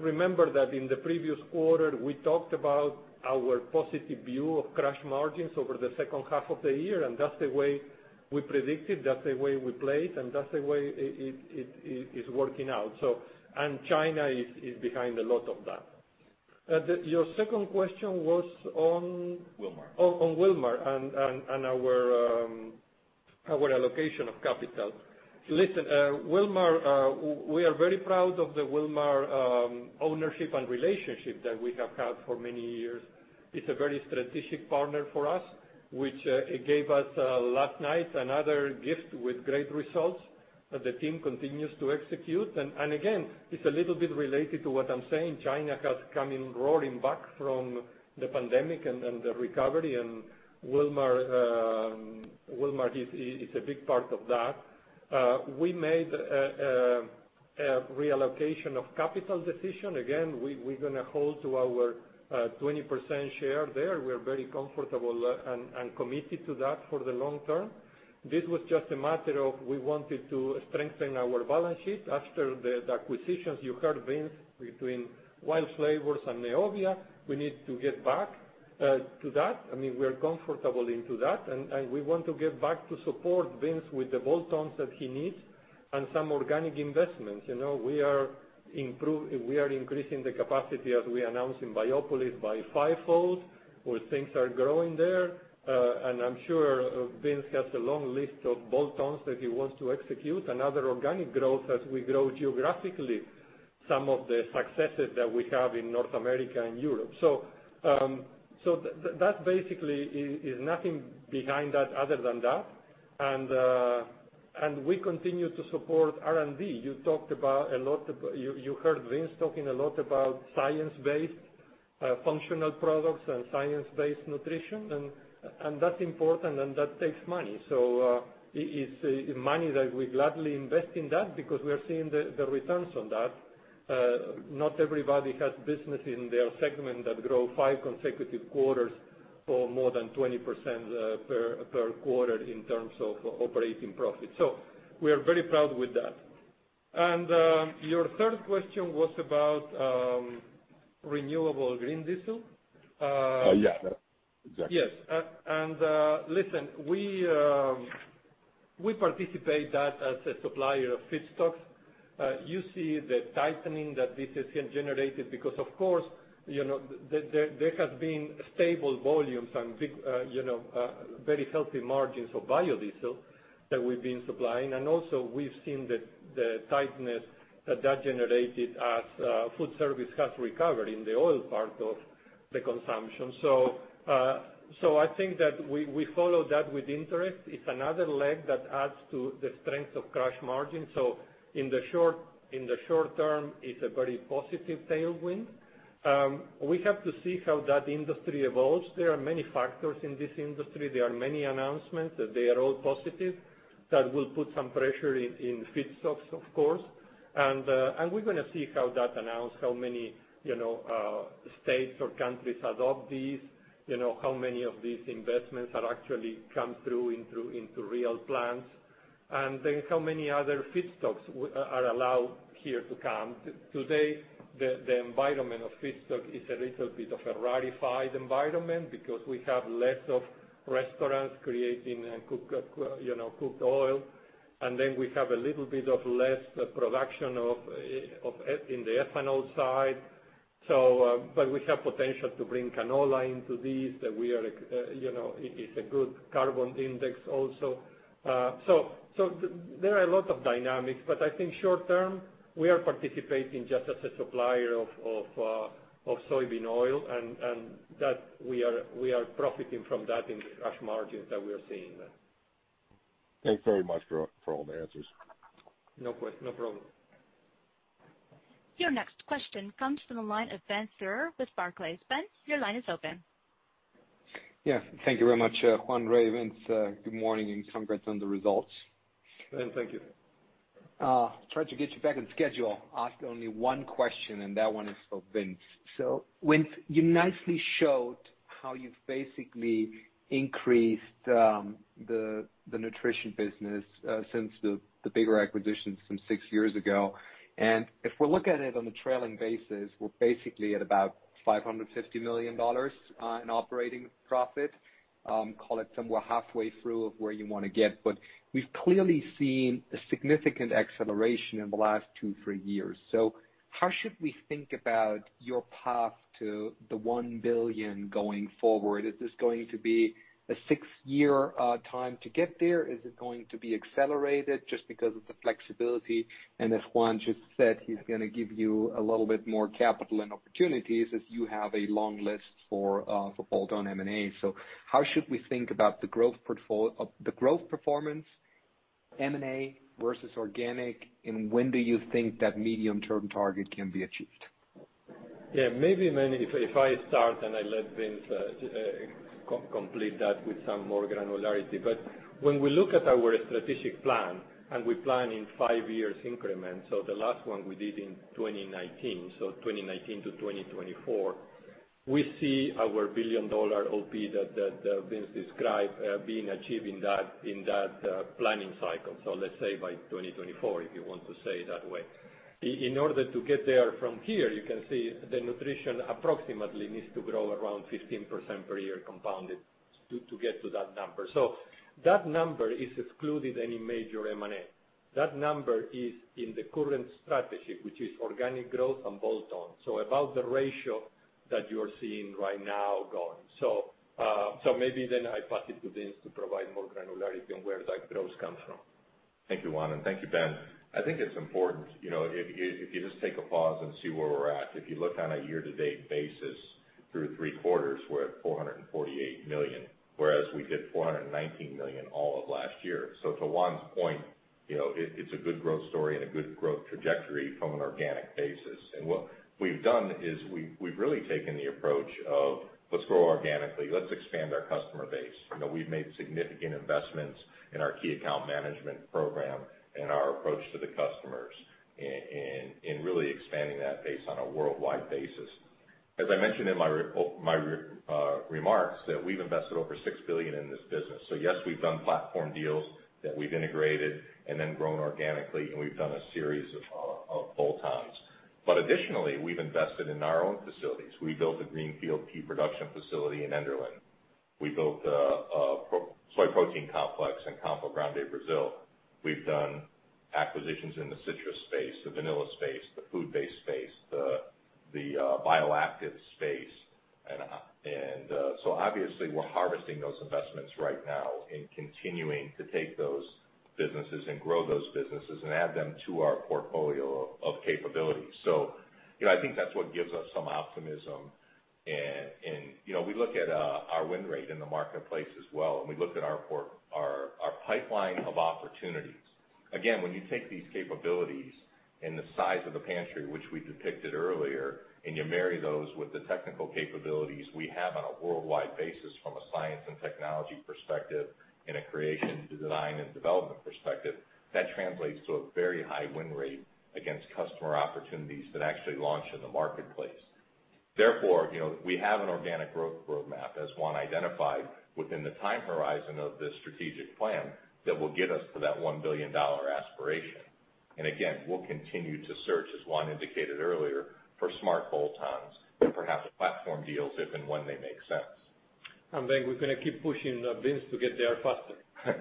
Remember that in the previous quarter, we talked about our positive view of crush margins over the second half of the year, and that's the way we predicted, that's the way we played, and that's the way it's working out. China is behind a lot of that. Your second question was on. Wilmar. On Wilmar, and our allocation of capital. Listen, we are very proud of the Wilmar ownership and relationship that we have had for many years. It's a very strategic partner for us, which it gave us last night, another gift with great results that the team continues to execute. Again, it's a little bit related to what I'm saying. China has come in roaring back from the pandemic and the recovery, and Wilmar is a big part of that. We made a reallocation of capital decision. Again, we're going to hold to our 20% share there. We are very comfortable and committed to that for the long term. This was just a matter of, we wanted to strengthen our balance sheet after the acquisitions, you heard Vince, between WILD Flavors and Neovia. We need to get back to that. We're comfortable into that, we want to get back to support Vince with the bolt-ons that he needs and some organic investments. We are increasing the capacity, as we announced in Biopolis, by fivefold. Things are growing there. I'm sure Vince has a long list of bolt-ons that he wants to execute and other organic growth as we grow geographically, some of the successes that we have in North America and Europe. That basically is nothing behind that other than that. We continue to support R&D. You heard Vince talking a lot about science-based functional products and science-based Nutrition, and that's important, and that takes money. It's money that we gladly invest in that because we are seeing the returns on that. Not everybody has business in their segment that grow five consecutive quarters for more than 20% per quarter in terms of operating profit. We are very proud with that. Your third question was about renewable green diesel. Yeah, exactly. Yes. Listen, we participate that as a supplier of feedstocks. You see the tightening that this has generated because of course, there has been stable volumes and very healthy margins for biodiesel that we've been supplying. Also we've seen the tightness that that generated as food service has recovered in the oil part of the consumption. I think that we follow that with interest. It's another leg that adds to the strength of crush margin. In the short term, it's a very positive tailwind. We have to see how that industry evolves. There are many factors in this industry. There are many announcements. They are all positive. That will put some pressure in feedstocks, of course. We're going to see how that announced, how many states or countries adopt these, how many of these investments are actually come into real plants. How many other feedstocks are allowed here to come? Today, the environment of feedstock is a little bit of a rarefied environment because we have less of restaurants creating cooked oil. We have a little bit of less production in the ethanol side. We have potential to bring canola into this. It is a good carbon index also. There are a lot of dynamics, but I think short term, we are participating just as a supplier of soybean oil, and we are profiting from that in the crush margins that we are seeing there. Thanks very much for all the answers. No problem. Your next question comes from the line of Ben Theurer with Barclays. Ben, your line is open. Yeah. Thank you very much, Juan, Ray, Vince. Good morning, and congrats on the results. Ben, thank you. Try to get you back on schedule. Ask only one question, and that one is for Vince. Vince, you nicely showed how you've basically increased the Nutrition business since the bigger acquisitions from six years ago. If we look at it on a trailing basis, we're basically at about $550 million in operating profit. Call it somewhere halfway through of where you want to get. We've clearly seen a significant acceleration in the last two, three years. How should we think about your path to the $1 billion going forward? Is this going to be a six-year time to get there? Is it going to be accelerated just because of the flexibility? As Juan just said, he's going to give you a little bit more capital and opportunities as you have a long list for bolt-on M&A. How should we think about the growth performance, M&A versus organic, and when do you think that medium-term target can be achieved? Yeah, maybe, Ben, if I start, I let Vince complete that with some more granularity. When we look at our strategic plan, we plan in five-year increments. The last one we did in 2019, so 2019-2024, we see our $1 billion OP that Vince described, being achieved in that planning cycle. Let's say by 2024, if you want to say it that way. In order to get there from here, you can see the Nutrition approximately needs to grow around 15% per year compounded to get to that number. That number has excluded any major M&A. That number is in the current strategy, which is organic growth and bolt-on. About the ratio that you're seeing right now. Maybe then I pass it to Vince to provide more granularity on where that growth comes from. Thank you, Juan, and thank you, Ben. I think it's important, if you just take a pause and see where we're at. If you look on a year-to-date basis through three quarters, we're at $448 million, whereas we did $419 million all of last year. To Juan's point, it's a good growth story and a good growth trajectory from an organic basis. What we've done is we've really taken the approach of let's grow organically, let's expand our customer base. We've made significant investments in our key account management program and our approach to the customers in really expanding that base on a worldwide basis. As I mentioned in my remarks, that we've invested over $6 billion in this business. Yes, we've done platform deals that we've integrated and then grown organically, and we've done a series of bolt-ons. Additionally, we've invested in our own facilities. We built a greenfield key production facility in Enderlin. We built a soy protein complex in Campo Grande, Brazil. We've done acquisitions in the citrus space, the vanilla space, the food-based space, the bioactive space. Obviously, we're harvesting those investments right now and continuing to take those businesses and grow those businesses and add them to our portfolio of capabilities. I think that's what gives us some optimism. We look at our win rate in the marketplace as well, and we look at our pipeline of opportunities. When you take these capabilities and the size of the pantry, which we depicted earlier, and you marry those with the technical capabilities we have on a worldwide basis from a science and technology perspective, and a creation to design and development perspective, that translates to a very high win rate against customer opportunities that actually launch in the marketplace. We have an organic growth roadmap, as Juan identified, within the time horizon of this strategic plan that will get us to that $1 billion aspiration. Again, we'll continue to search, as Juan indicated earlier, for smart bolt-ons and perhaps platform deals if and when they make sense. We're going to keep pushing Vince to get there faster.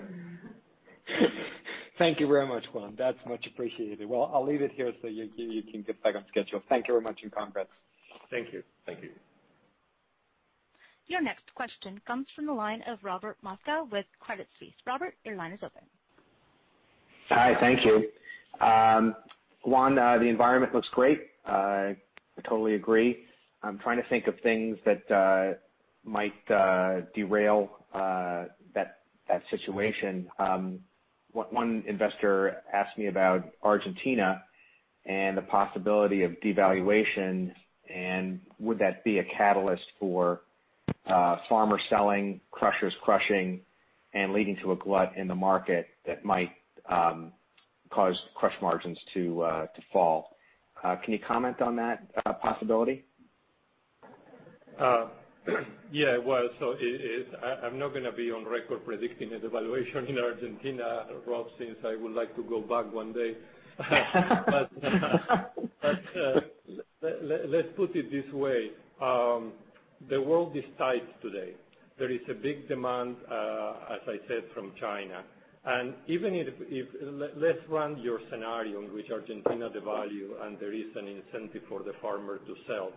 Thank you very much, Juan. That's much appreciated. I'll leave it here so you can get back on schedule. Thank you very much, and congrats. Thank you. Thank you. Your next question comes from the line of Robert Moskow with Credit Suisse. Robert, your line is open. Hi, thank you. Juan, the environment looks great. I totally agree. I'm trying to think of things that might derail that situation. One investor asked me about Argentina and the possibility of devaluation, and would that be a catalyst for farmers selling, crushers crushing, and leading to a glut in the market that might cause crush margins to fall. Can you comment on that possibility? Yeah, it was. I'm not going to be on record predicting a devaluation in Argentina, Rob, since I would like to go back one day. Let's put it this way. The world is tight today. There is a big demand, as I said, from China. Even if, let's run your scenario in which Argentina devalue and there is an incentive for the farmer to sell,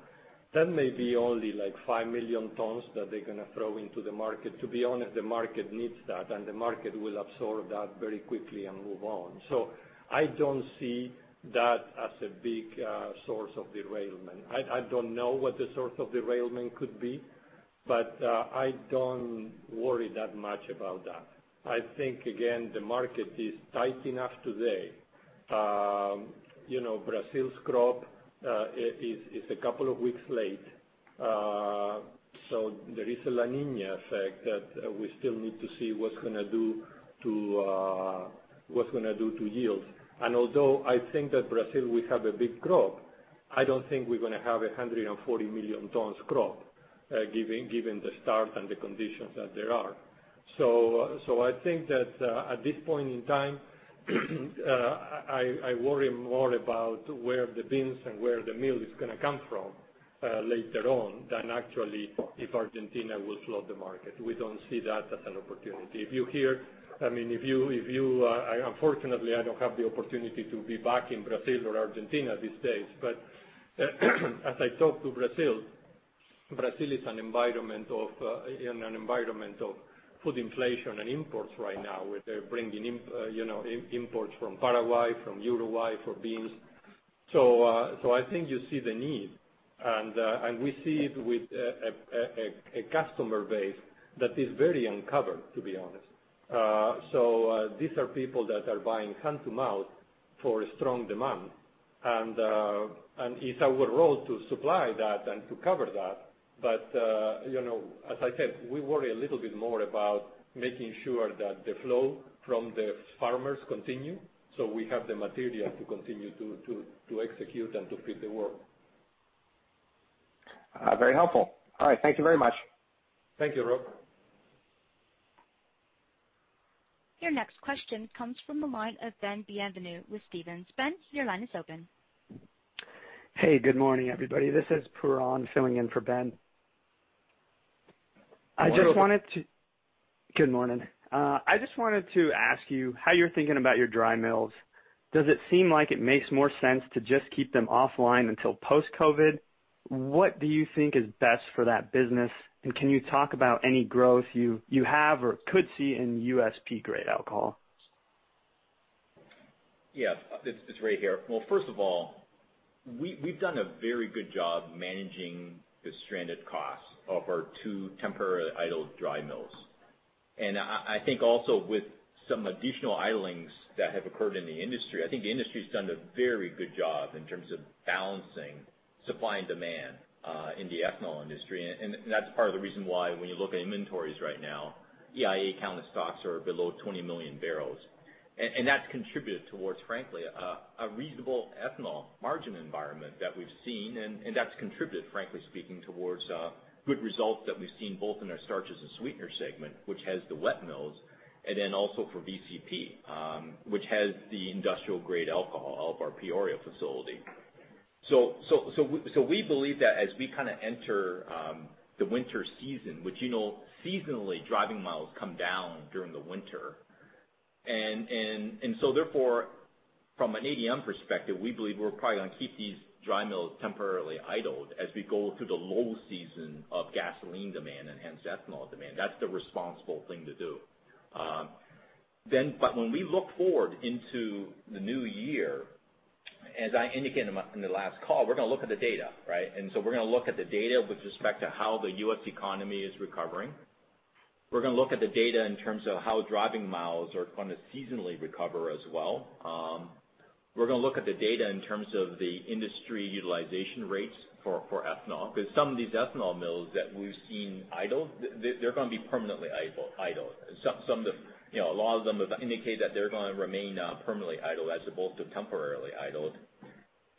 that may be only 5 million tons that they're going to throw into the market. To be honest, the market needs that, and the market will absorb that very quickly and move on. I don't see that as a big source of derailment. I don't know what the source of derailment could be, but I don't worry that much about that. I think, again, the market is tight enough today. Brazil's crop is a couple of weeks late. There is a La Niña effect that we still need to see what's going to do to yields. Although I think that Brazil will have a big crop, I don't think we're going to have 140 million tons crop, given the start and the conditions that there are. I think that at this point in time, I worry more about where the beans and where the meal is going to come from later on than actually if Argentina will flood the market. We don't see that as an opportunity. Unfortunately, I don't have the opportunity to be back in Brazil or Argentina these days. As I talk to Brazil is in an environment of food inflation and imports right now, where they're bringing imports from Paraguay, from Uruguay for beans. I think you see the need, and we see it with a customer base that is very uncovered, to be honest. These are people that are buying hand-to-mouth for a strong demand. It's our role to supply that and to cover that. As I said, we worry a little bit more about making sure that the flow from the farmers continue so we have the material to continue to execute and to feed the world. Very helpful. All right. Thank you very much. Thank you, Rob. Your next question comes from the line of Ben Bienvenu with Stephens. Ben, your line is open. Hey, good morning, everybody. This is Pooran filling in for Ben. Good morning. Good morning. I just wanted to ask you how you're thinking about your dry mills. Does it seem like it makes more sense to just keep them offline until post-COVID? What do you think is best for that business, and can you talk about any growth you have or could see in USP-grade alcohol? It is Ray here. First of all, we've done a very good job managing the stranded costs of our two temporarily idled dry mills. I think also with some additional idlings that have occurred in the industry, I think the industry's done a very good job in terms of balancing supply and demand in the ethanol industry. That's part of the reason why when you look at inventories right now, EIA counted stocks are below 20 million barrels. That's contributed towards, frankly, a reasonable ethanol margin environment that we've seen, and that's contributed, frankly speaking, towards good results that we've seen both in our starches and sweetener segment, which has the wet mills, and also for VCP, which has the industrial-grade alcohol out of our Peoria facility. We believe that as we kind of enter the winter season, which seasonally, driving miles come down during the winter. Therefore, from an ADM perspective, we believe we're probably going to keep these dry mills temporarily idled as we go through the low season of gasoline demand and hence ethanol demand. That's the responsible thing to do. When we look forward into the new year, as I indicated in the last call, we're going to look at the data, right? We're going to look at the data with respect to how the U.S. economy is recovering. We're going to look at the data in terms of how driving miles are going to seasonally recover as well. We're going to look at the data in terms of the industry utilization rates for ethanol, because some of these ethanol mills that we've seen idle, they're going to be permanently idled. A lot of them have indicated that they're going to remain permanently idled as opposed to temporarily idled.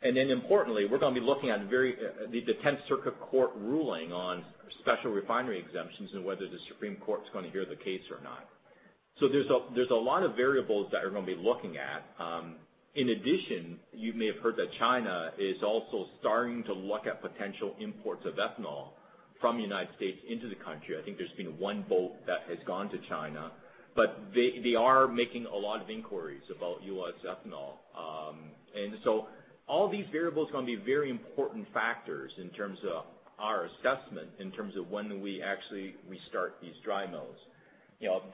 Importantly, we're going to be looking at the 10th Circuit Court ruling on special refinery exemptions and whether the Supreme Court's going to hear the case or not. There's a lot of variables that we're going to be looking at. In addition, you may have heard that China is also starting to look at potential imports of ethanol from the United States into the country. I think there's been one boat that has gone to China. They are making a lot of inquiries about U.S. ethanol. All these variables are going to be very important factors in terms of our assessment, in terms of when we actually restart these dry mills.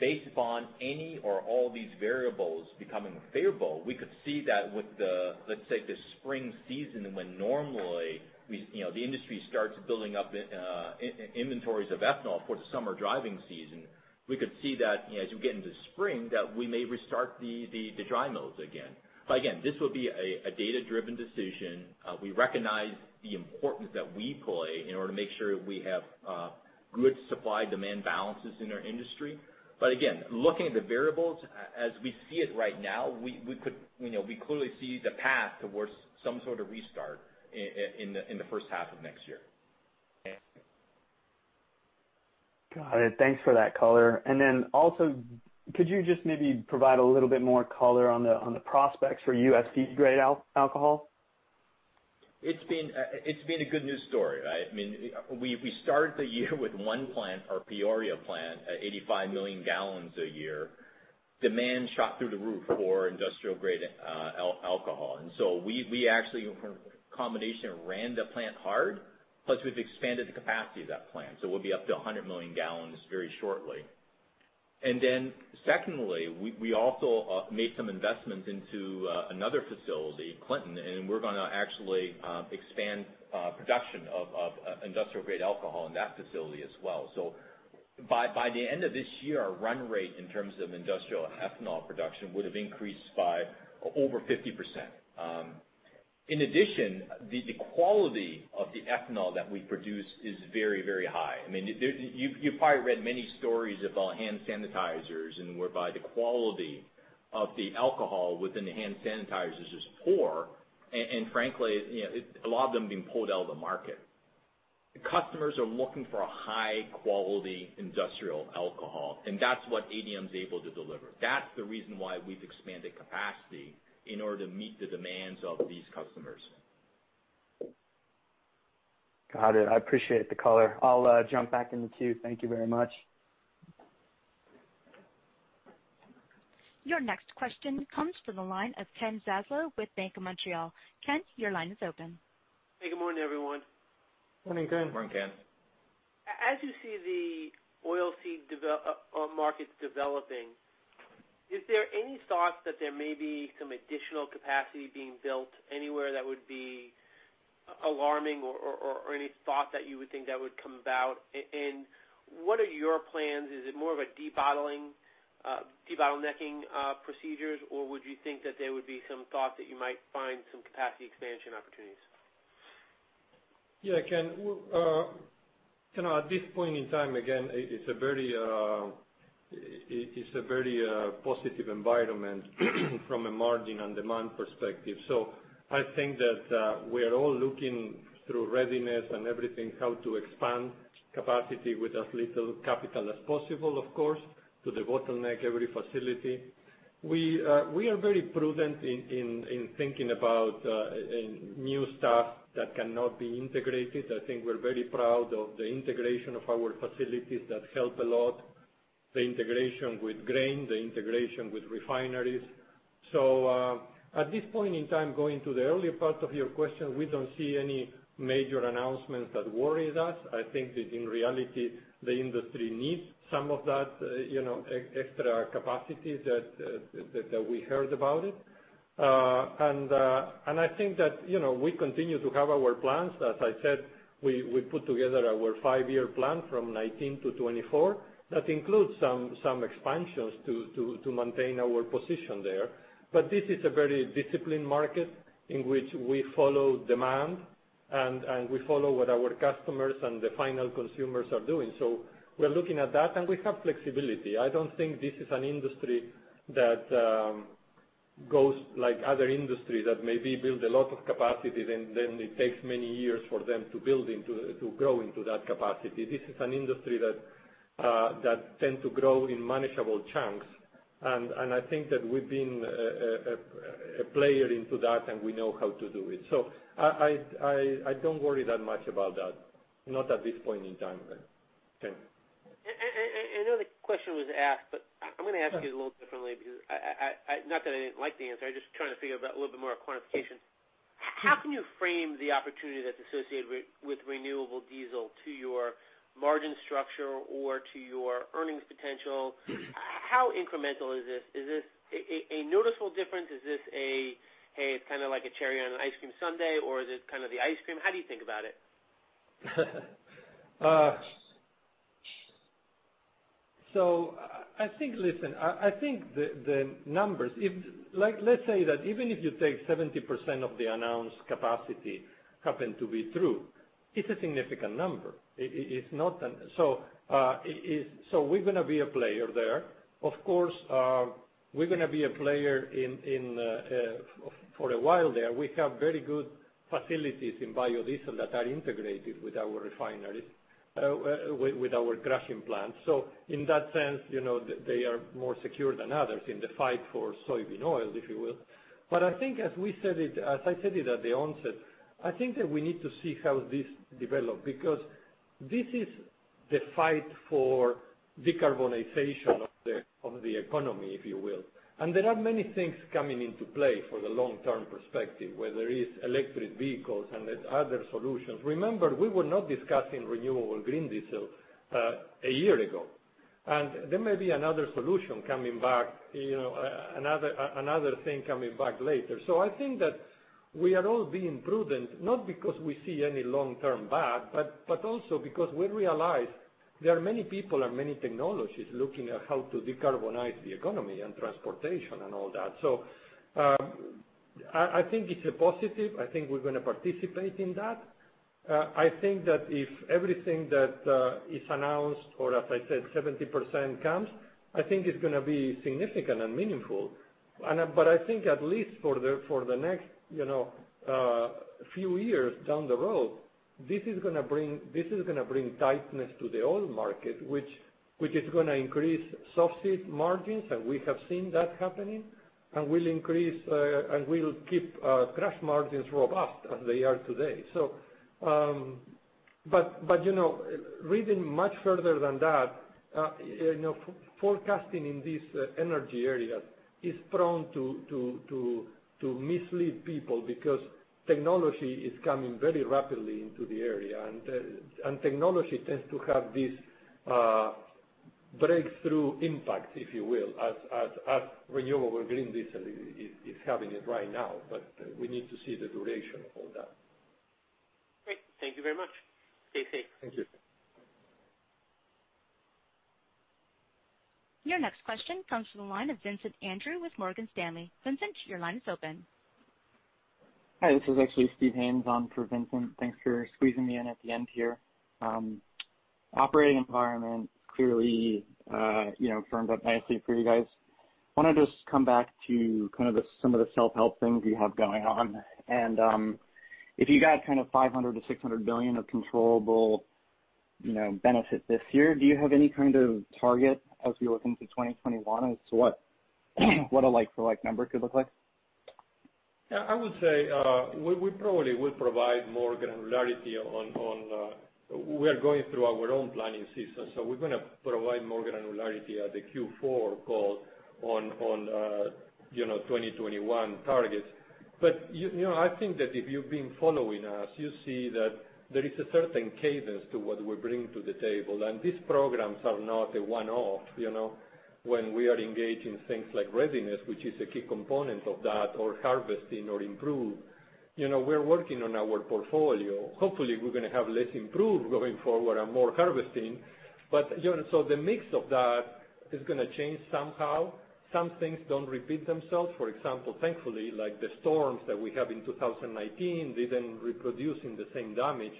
Based upon any or all these variables becoming favorable, we could see that with the, let's say, the spring season, when normally the industry starts building up inventories of ethanol for the summer driving season. We could see that as we get into spring, that we may restart the dry mills again. Again, this will be a data-driven decision. We recognize the importance that we play in order to make sure we have good supply-demand balances in our industry. Again, looking at the variables, as we see it right now, we clearly see the path towards some sort of restart in the H1 of next year. Got it. Thanks for that color. Also, could you just maybe provide a little bit more color on the prospects for U.S. feed-grade alcohol? It's been a good news story, right? We started the year with one plant, our Peoria plant, at 85 million gallons a year. Demand shot through the roof for industrial-grade alcohol. We actually, a combination, ran the plant hard, plus we've expanded the capacity of that plant, so we'll be up to 100 million gallons very shortly. Secondly, we also made some investments into another facility, Clinton, and we're going to actually expand production of industrial-grade alcohol in that facility as well. By the end of this year, our run rate in terms of industrial ethanol production would have increased by over 50%. The quality of the ethanol that we produce is very high. You've probably read many stories about hand sanitizers and whereby the quality of the alcohol within the hand sanitizers is poor, and frankly, a lot of them being pulled out of the market. The customers are looking for a high-quality industrial alcohol, and that's what ADM is able to deliver. That's the reason why we've expanded capacity in order to meet the demands of these customers. Got it. I appreciate the color. I'll jump back in the queue. Thank you very much. Your next question comes from the line of Ken Zaslow with Bank of Montreal. Ken, your line is open. Hey, good morning, everyone. Morning, Ken. Morning, Ken. As you see the oilseed markets developing, is there any thoughts that there may be some additional capacity being built anywhere that would be alarming or any thought that you would think that would come about? What are your plans? Is it more of a debottlenecking procedures, or would you think that there would be some thought that you might find some capacity expansion opportunities? Yeah, Ken. At this point in time, again, it's a very positive environment from a margin and demand perspective. I think that we are all looking through readiness and everything, how to expand capacity with as little capital as possible, of course, to the bottleneck every facility. We are very prudent in thinking about new stuff that cannot be integrated. I think we're very proud of the integration of our facilities. That help a lot. The integration with grain, the integration with refineries. At this point in time, going to the earlier part of your question, we don't see any major announcements that worry us. I think that in reality, the industry needs some of that extra capacity that we heard about it. I think that we continue to have our plans. As I said, we put together our five-year plan from 2019-2024. That includes some expansions to maintain our position there. This is a very disciplined market in which we follow demand and we follow what our customers and the final consumers are doing. We're looking at that, and we have flexibility. I don't think this is an industry that goes like other industries that maybe build a lot of capacity, then it takes many years for them to grow into that capacity. This is an industry that tend to grow in manageable chunks, and I think that we've been a player into that, and we know how to do it. I don't worry that much about that, not at this point in time, Ken. I know the question was asked, but I'm going to ask it a little differently because, not that I didn't like the answer, I'm just trying to figure out a little bit more quantification. How can you frame the opportunity that's associated with renewable diesel to your margin structure or to your earnings potential? How incremental is this? Is this a noticeable difference? Is this a, hey, it's kind of like a cherry on an ice cream sundae, or is it kind of the ice cream? How do you think about it? I think, listen, I think the numbers, let's say that even if you take 70% of the announced capacity happen to be true, it's a significant number. Of course, we're going to be a player there. We're going to be a player for a while there. We have very good facilities in biodiesel that are integrated with our refineries, with our crushing plants. In that sense, they are more secure than others in the fight for soybean oil, if you will. I think as I said it at the onset, I think that we need to see how this develop, because this is the fight for decarbonization of the economy, if you will. There are many things coming into play for the long-term perspective, whether it's electric vehicles and other solutions. Remember, we were not discussing renewable green diesel a year ago. There may be another solution coming back, another thing coming back later. I think that we are all being prudent, not because we see any long-term bad, but also because we realize there are many people and many technologies looking at how to decarbonize the economy and transportation and all that. I think it's a positive. I think we're going to participate in that. I think that if everything that is announced, or as I said, 70% comes, I think it's going to be significant and meaningful. I think at least for the next few years down the road, this is going to bring tightness to the oil market, which is going to increase soft seed margins, and we have seen that happening, and will keep crush margins robust as they are today. Reading much further than that, forecasting in these energy areas is prone to mislead people because technology is coming very rapidly into the area, and technology tends to have this breakthrough impact, if you will, as renewable green diesel is having it right now. We need to see the duration of all that. Great. Thank you very much. Stay safe. Thank you. Your next question comes from the line of Vincent Andrews with Morgan Stanley. Vincent, your line is open. Hi, this is actually Steven Haynes on for Vincent. Thanks for squeezing me in at the end here. Operating environment clearly firmed up nicely for you guys. Want to just come back to kind of some of the self-help things you have going on? If you got kind of $500 billion-$600 billion of controllable benefit this year, do you have any kind of target as we look into 2021 as to what a like for like number could look like? Yeah, I would say we probably will provide more granularity. We are going through our own planning season, we're going to provide more granularity at the Q4 call on 2021 targets. I think that if you've been following us, you see that there is a certain cadence to what we bring to the table, and these programs are not a one-off. When we are engaged in things like Readiness, which is a key component of that, or Harvesting or Improve. We're working on our portfolio. Hopefully, we're going to have less Improve going forward and more Harvesting. The mix of that is going to change somehow. Some things don't repeat themselves. For example, thankfully, like the storms that we had in 2019, they didn't reproduce the same damage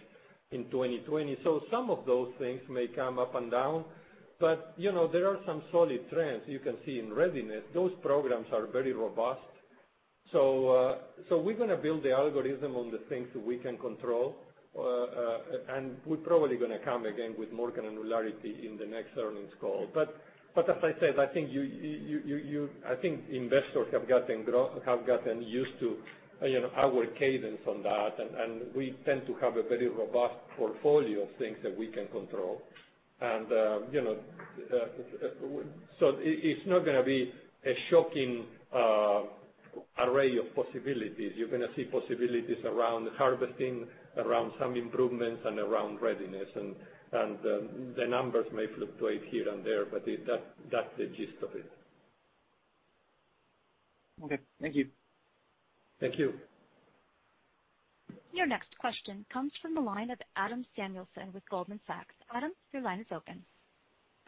in 2020. Some of those things may come up and down. There are some solid trends you can see in readiness. Those programs are very robust. We're going to build the algorithm on the things that we can control. We're probably going to come again with more granularity in the next earnings call. As I said, I think investors have gotten used to our cadence on that, and we tend to have a very robust portfolio of things that we can control. It's not going to be a shocking array of possibilities. You're going to see possibilities around harvesting, around some improvements, and around readiness. The numbers may fluctuate here and there, but that's the gist of it. Okay. Thank you. Thank you. Your next question comes from the line of Adam Samuelson with Goldman Sachs. Adam, your line is open.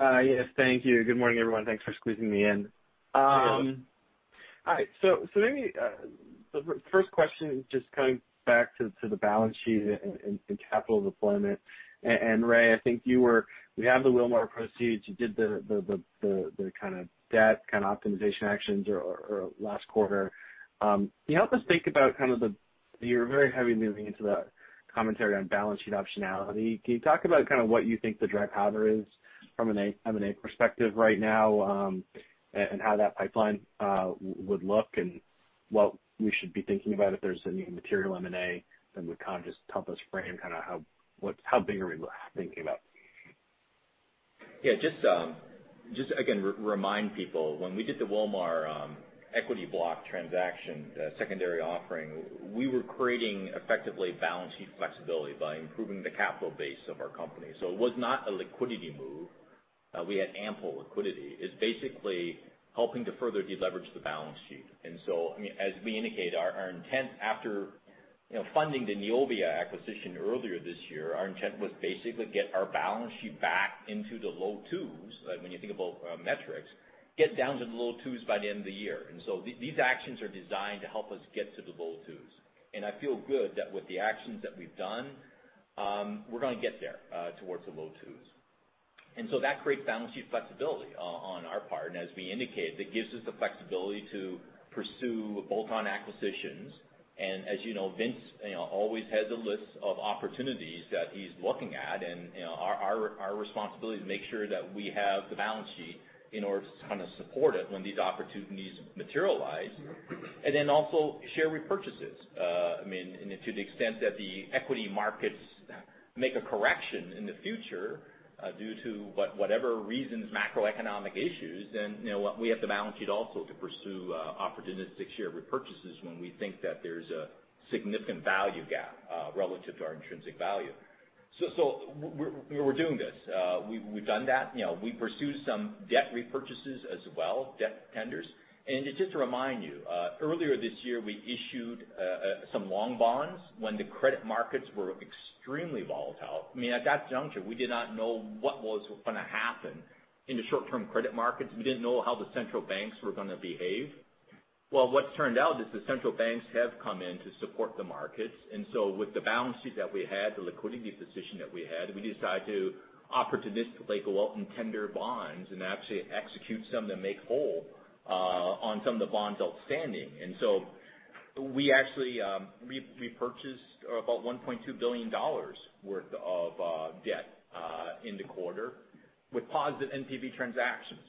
Yes, thank you. Good morning, everyone. Thanks for squeezing me in. Hi, Adam. All right. Maybe the first question, just coming back to the balance sheet and capital deployment. Ray, we have the Wilmar proceeds. You did the kind of debt optimization actions last quarter. Can you help us think about You're very heavy moving into the commentary on balance sheet optionality. Can you talk about kind of what you think the dry powder is from an M&A perspective right now, and how that pipeline would look and what we should be thinking about if there's any material M&A that would kind of just help us frame how big are we thinking about? Just again, remind people, when we did the Wilmar equity block transaction, the secondary offering, we were creating effectively balance sheet flexibility by improving the capital base of our company. It was not a liquidity move. We had ample liquidity. It's basically helping to further deleverage the balance sheet. As we indicate, our intent after funding the Neovia acquisition earlier this year, our intent was basically get our balance sheet back into the low twos, when you think about metrics, get down to the low twos by the end of the year. These actions are designed to help us get to the low twos. I feel good that with the actions that we've done, we're going to get there towards the low twos. That creates balance sheet flexibility on our part. As we indicated, that gives us the flexibility to pursue bolt-on acquisitions. As you know, Vince always has a list of opportunities that he's looking at, and our responsibility is to make sure that we have the balance sheet in order to kind of support it when these opportunities materialize. Then also share repurchases. To the extent that the equity markets make a correction in the future due to whatever reasons, macroeconomic issues, then we have the balance sheet also to pursue opportunistic share repurchases when we think that there's a significant value gap relative to our intrinsic value. We're doing this. We've done that. We pursued some debt repurchases as well, debt tenders. Just to remind you, earlier this year, we issued some long bonds when the credit markets were extremely volatile. At that juncture, we did not know what was going to happen in the short-term credit markets. We didn't know how the central banks were going to behave. Well, what's turned out is the central banks have come in to support the markets. With the balance sheet that we had, the liquidity position that we had, we decided to opportunistically go out and tender bonds and actually execute some to make whole on some of the bonds outstanding. We actually repurchased about $1.2 billion worth of debt in the quarter with positive NPV transactions.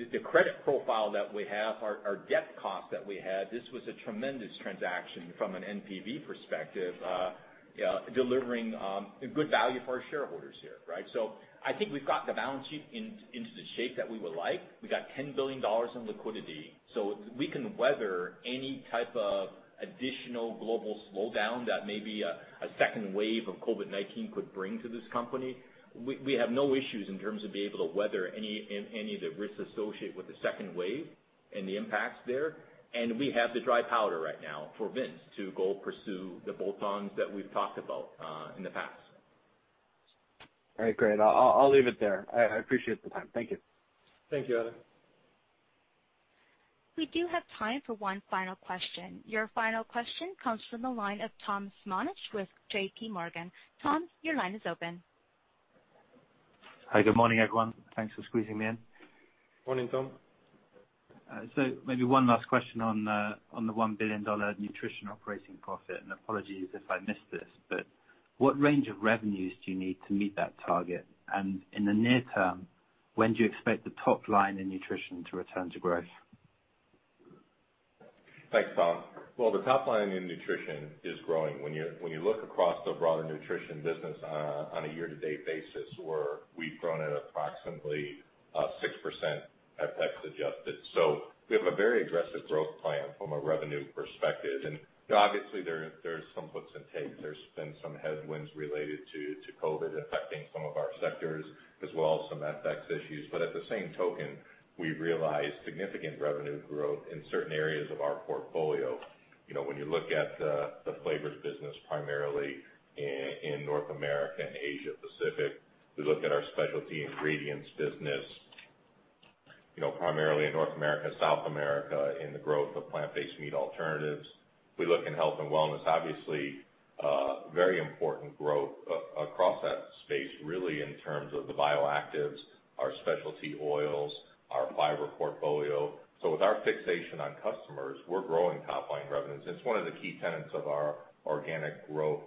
With the credit profile that we have, our debt cost that we had, this was a tremendous transaction from an NPV perspective, delivering good value for our shareholders here, right? I think we've got the balance sheet into the shape that we would like. We got $10 billion in liquidity. We can weather any type of additional global slowdown that maybe a second wave of COVID-19 could bring to this company. We have no issues in terms of being able to weather any of the risks associated with the second wave and the impacts there. We have the dry powder right now for Vince to go pursue the bolt-ons that we've talked about in the past. All right, great. I'll leave it there. I appreciate the time. Thank you. Thank you, Adam. We do have time for one final question. Your final question comes from the line of Tom Simonitsch with JPMorgan. Tom, your line is open. Hi, good morning, everyone. Thanks for squeezing me in. Morning, Tom. Maybe one last question on the $1 billion Nutrition operating profit, and apologies if I missed this, but what range of revenues do you need to meet that target? In the near term, when do you expect the top line in Nutrition to return to growth? Thanks, Tom. Well, the top line in Nutrition is growing. When you look across the broader Nutrition business on a year-to-date basis, where we've grown at approximately 6% FX adjusted. We have a very aggressive growth plan from a revenue perspective. Obviously, there's some gives and takes. There's been some headwinds related to COVID affecting some of our sectors, as well as some FX issues. At the same token, we realized significant revenue growth in certain areas of our portfolio. When you look at the flavors business, primarily in North America and Asia Pacific, we look at our specialty ingredients business primarily in North America, South America, in the growth of plant-based meat alternatives. We look in health and wellness, obviously very important growth across that space, really in terms of the bioactives, our specialty oils, our fiber portfolio. With our fixation on customers, we're growing top line revenues. It's one of the key tenets of our organic growth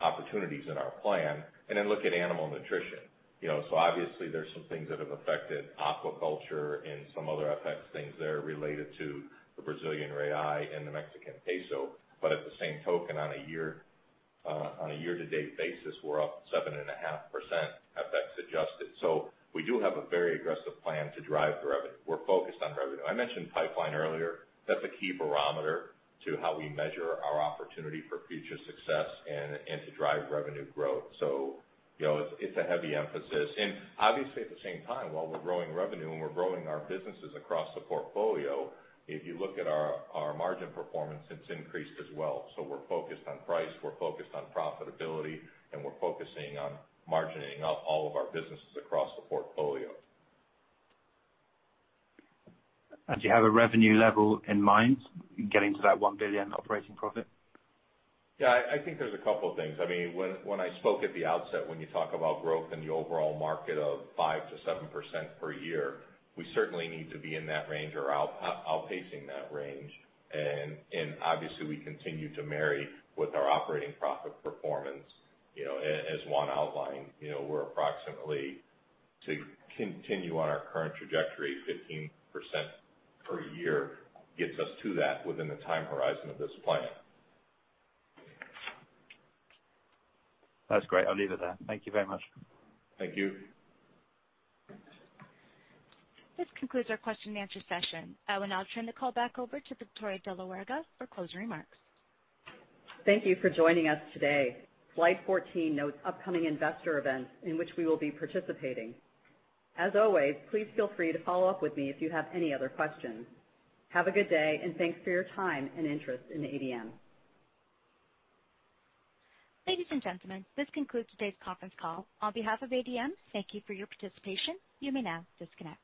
opportunities in our plan. Then look at Animal Nutrition. Obviously there's some things that have affected aquaculture and some other FX things there related to the Brazilian real and the Mexican peso. At the same token, on a year-to-date basis, we're up 7.5% FX adjusted. We do have a very aggressive plan to drive the revenue. We're focused on revenue. I mentioned pipeline earlier. That's a key barometer to how we measure our opportunity for future success and to drive revenue growth. It's a heavy emphasis. Obviously, at the same time, while we're growing revenue and we're growing our businesses across the portfolio, if you look at our margin performance, it's increased as well. We're focused on price, we're focused on profitability, and we're focusing on margining up all of our businesses across the portfolio. Do you have a revenue level in mind getting to that $1 billion operating profit? Yeah, I think there's a couple things. When I spoke at the outset, when you talk about growth in the overall market of 5%-7% per year, we certainly need to be in that range or outpacing that range. Obviously, we continue to marry with our operating profit performance. As Juan outlined, we're approximately, to continue on our current trajectory, 15% per year gets us to that within the time horizon of this plan. That's great. I'll leave it there. Thank you very much. Thank you. This concludes our question and answer session. I will now turn the call back over to Victoria de la Huerga for closing remarks. Thank you for joining us today. Slide 14 notes upcoming investor events in which we will be participating. As always, please feel free to follow up with me if you have any other questions. Have a good day, thanks for your time and interest in ADM. Ladies and gentlemen, this concludes today's conference call. On behalf of ADM, thank you for your participation. You may now disconnect.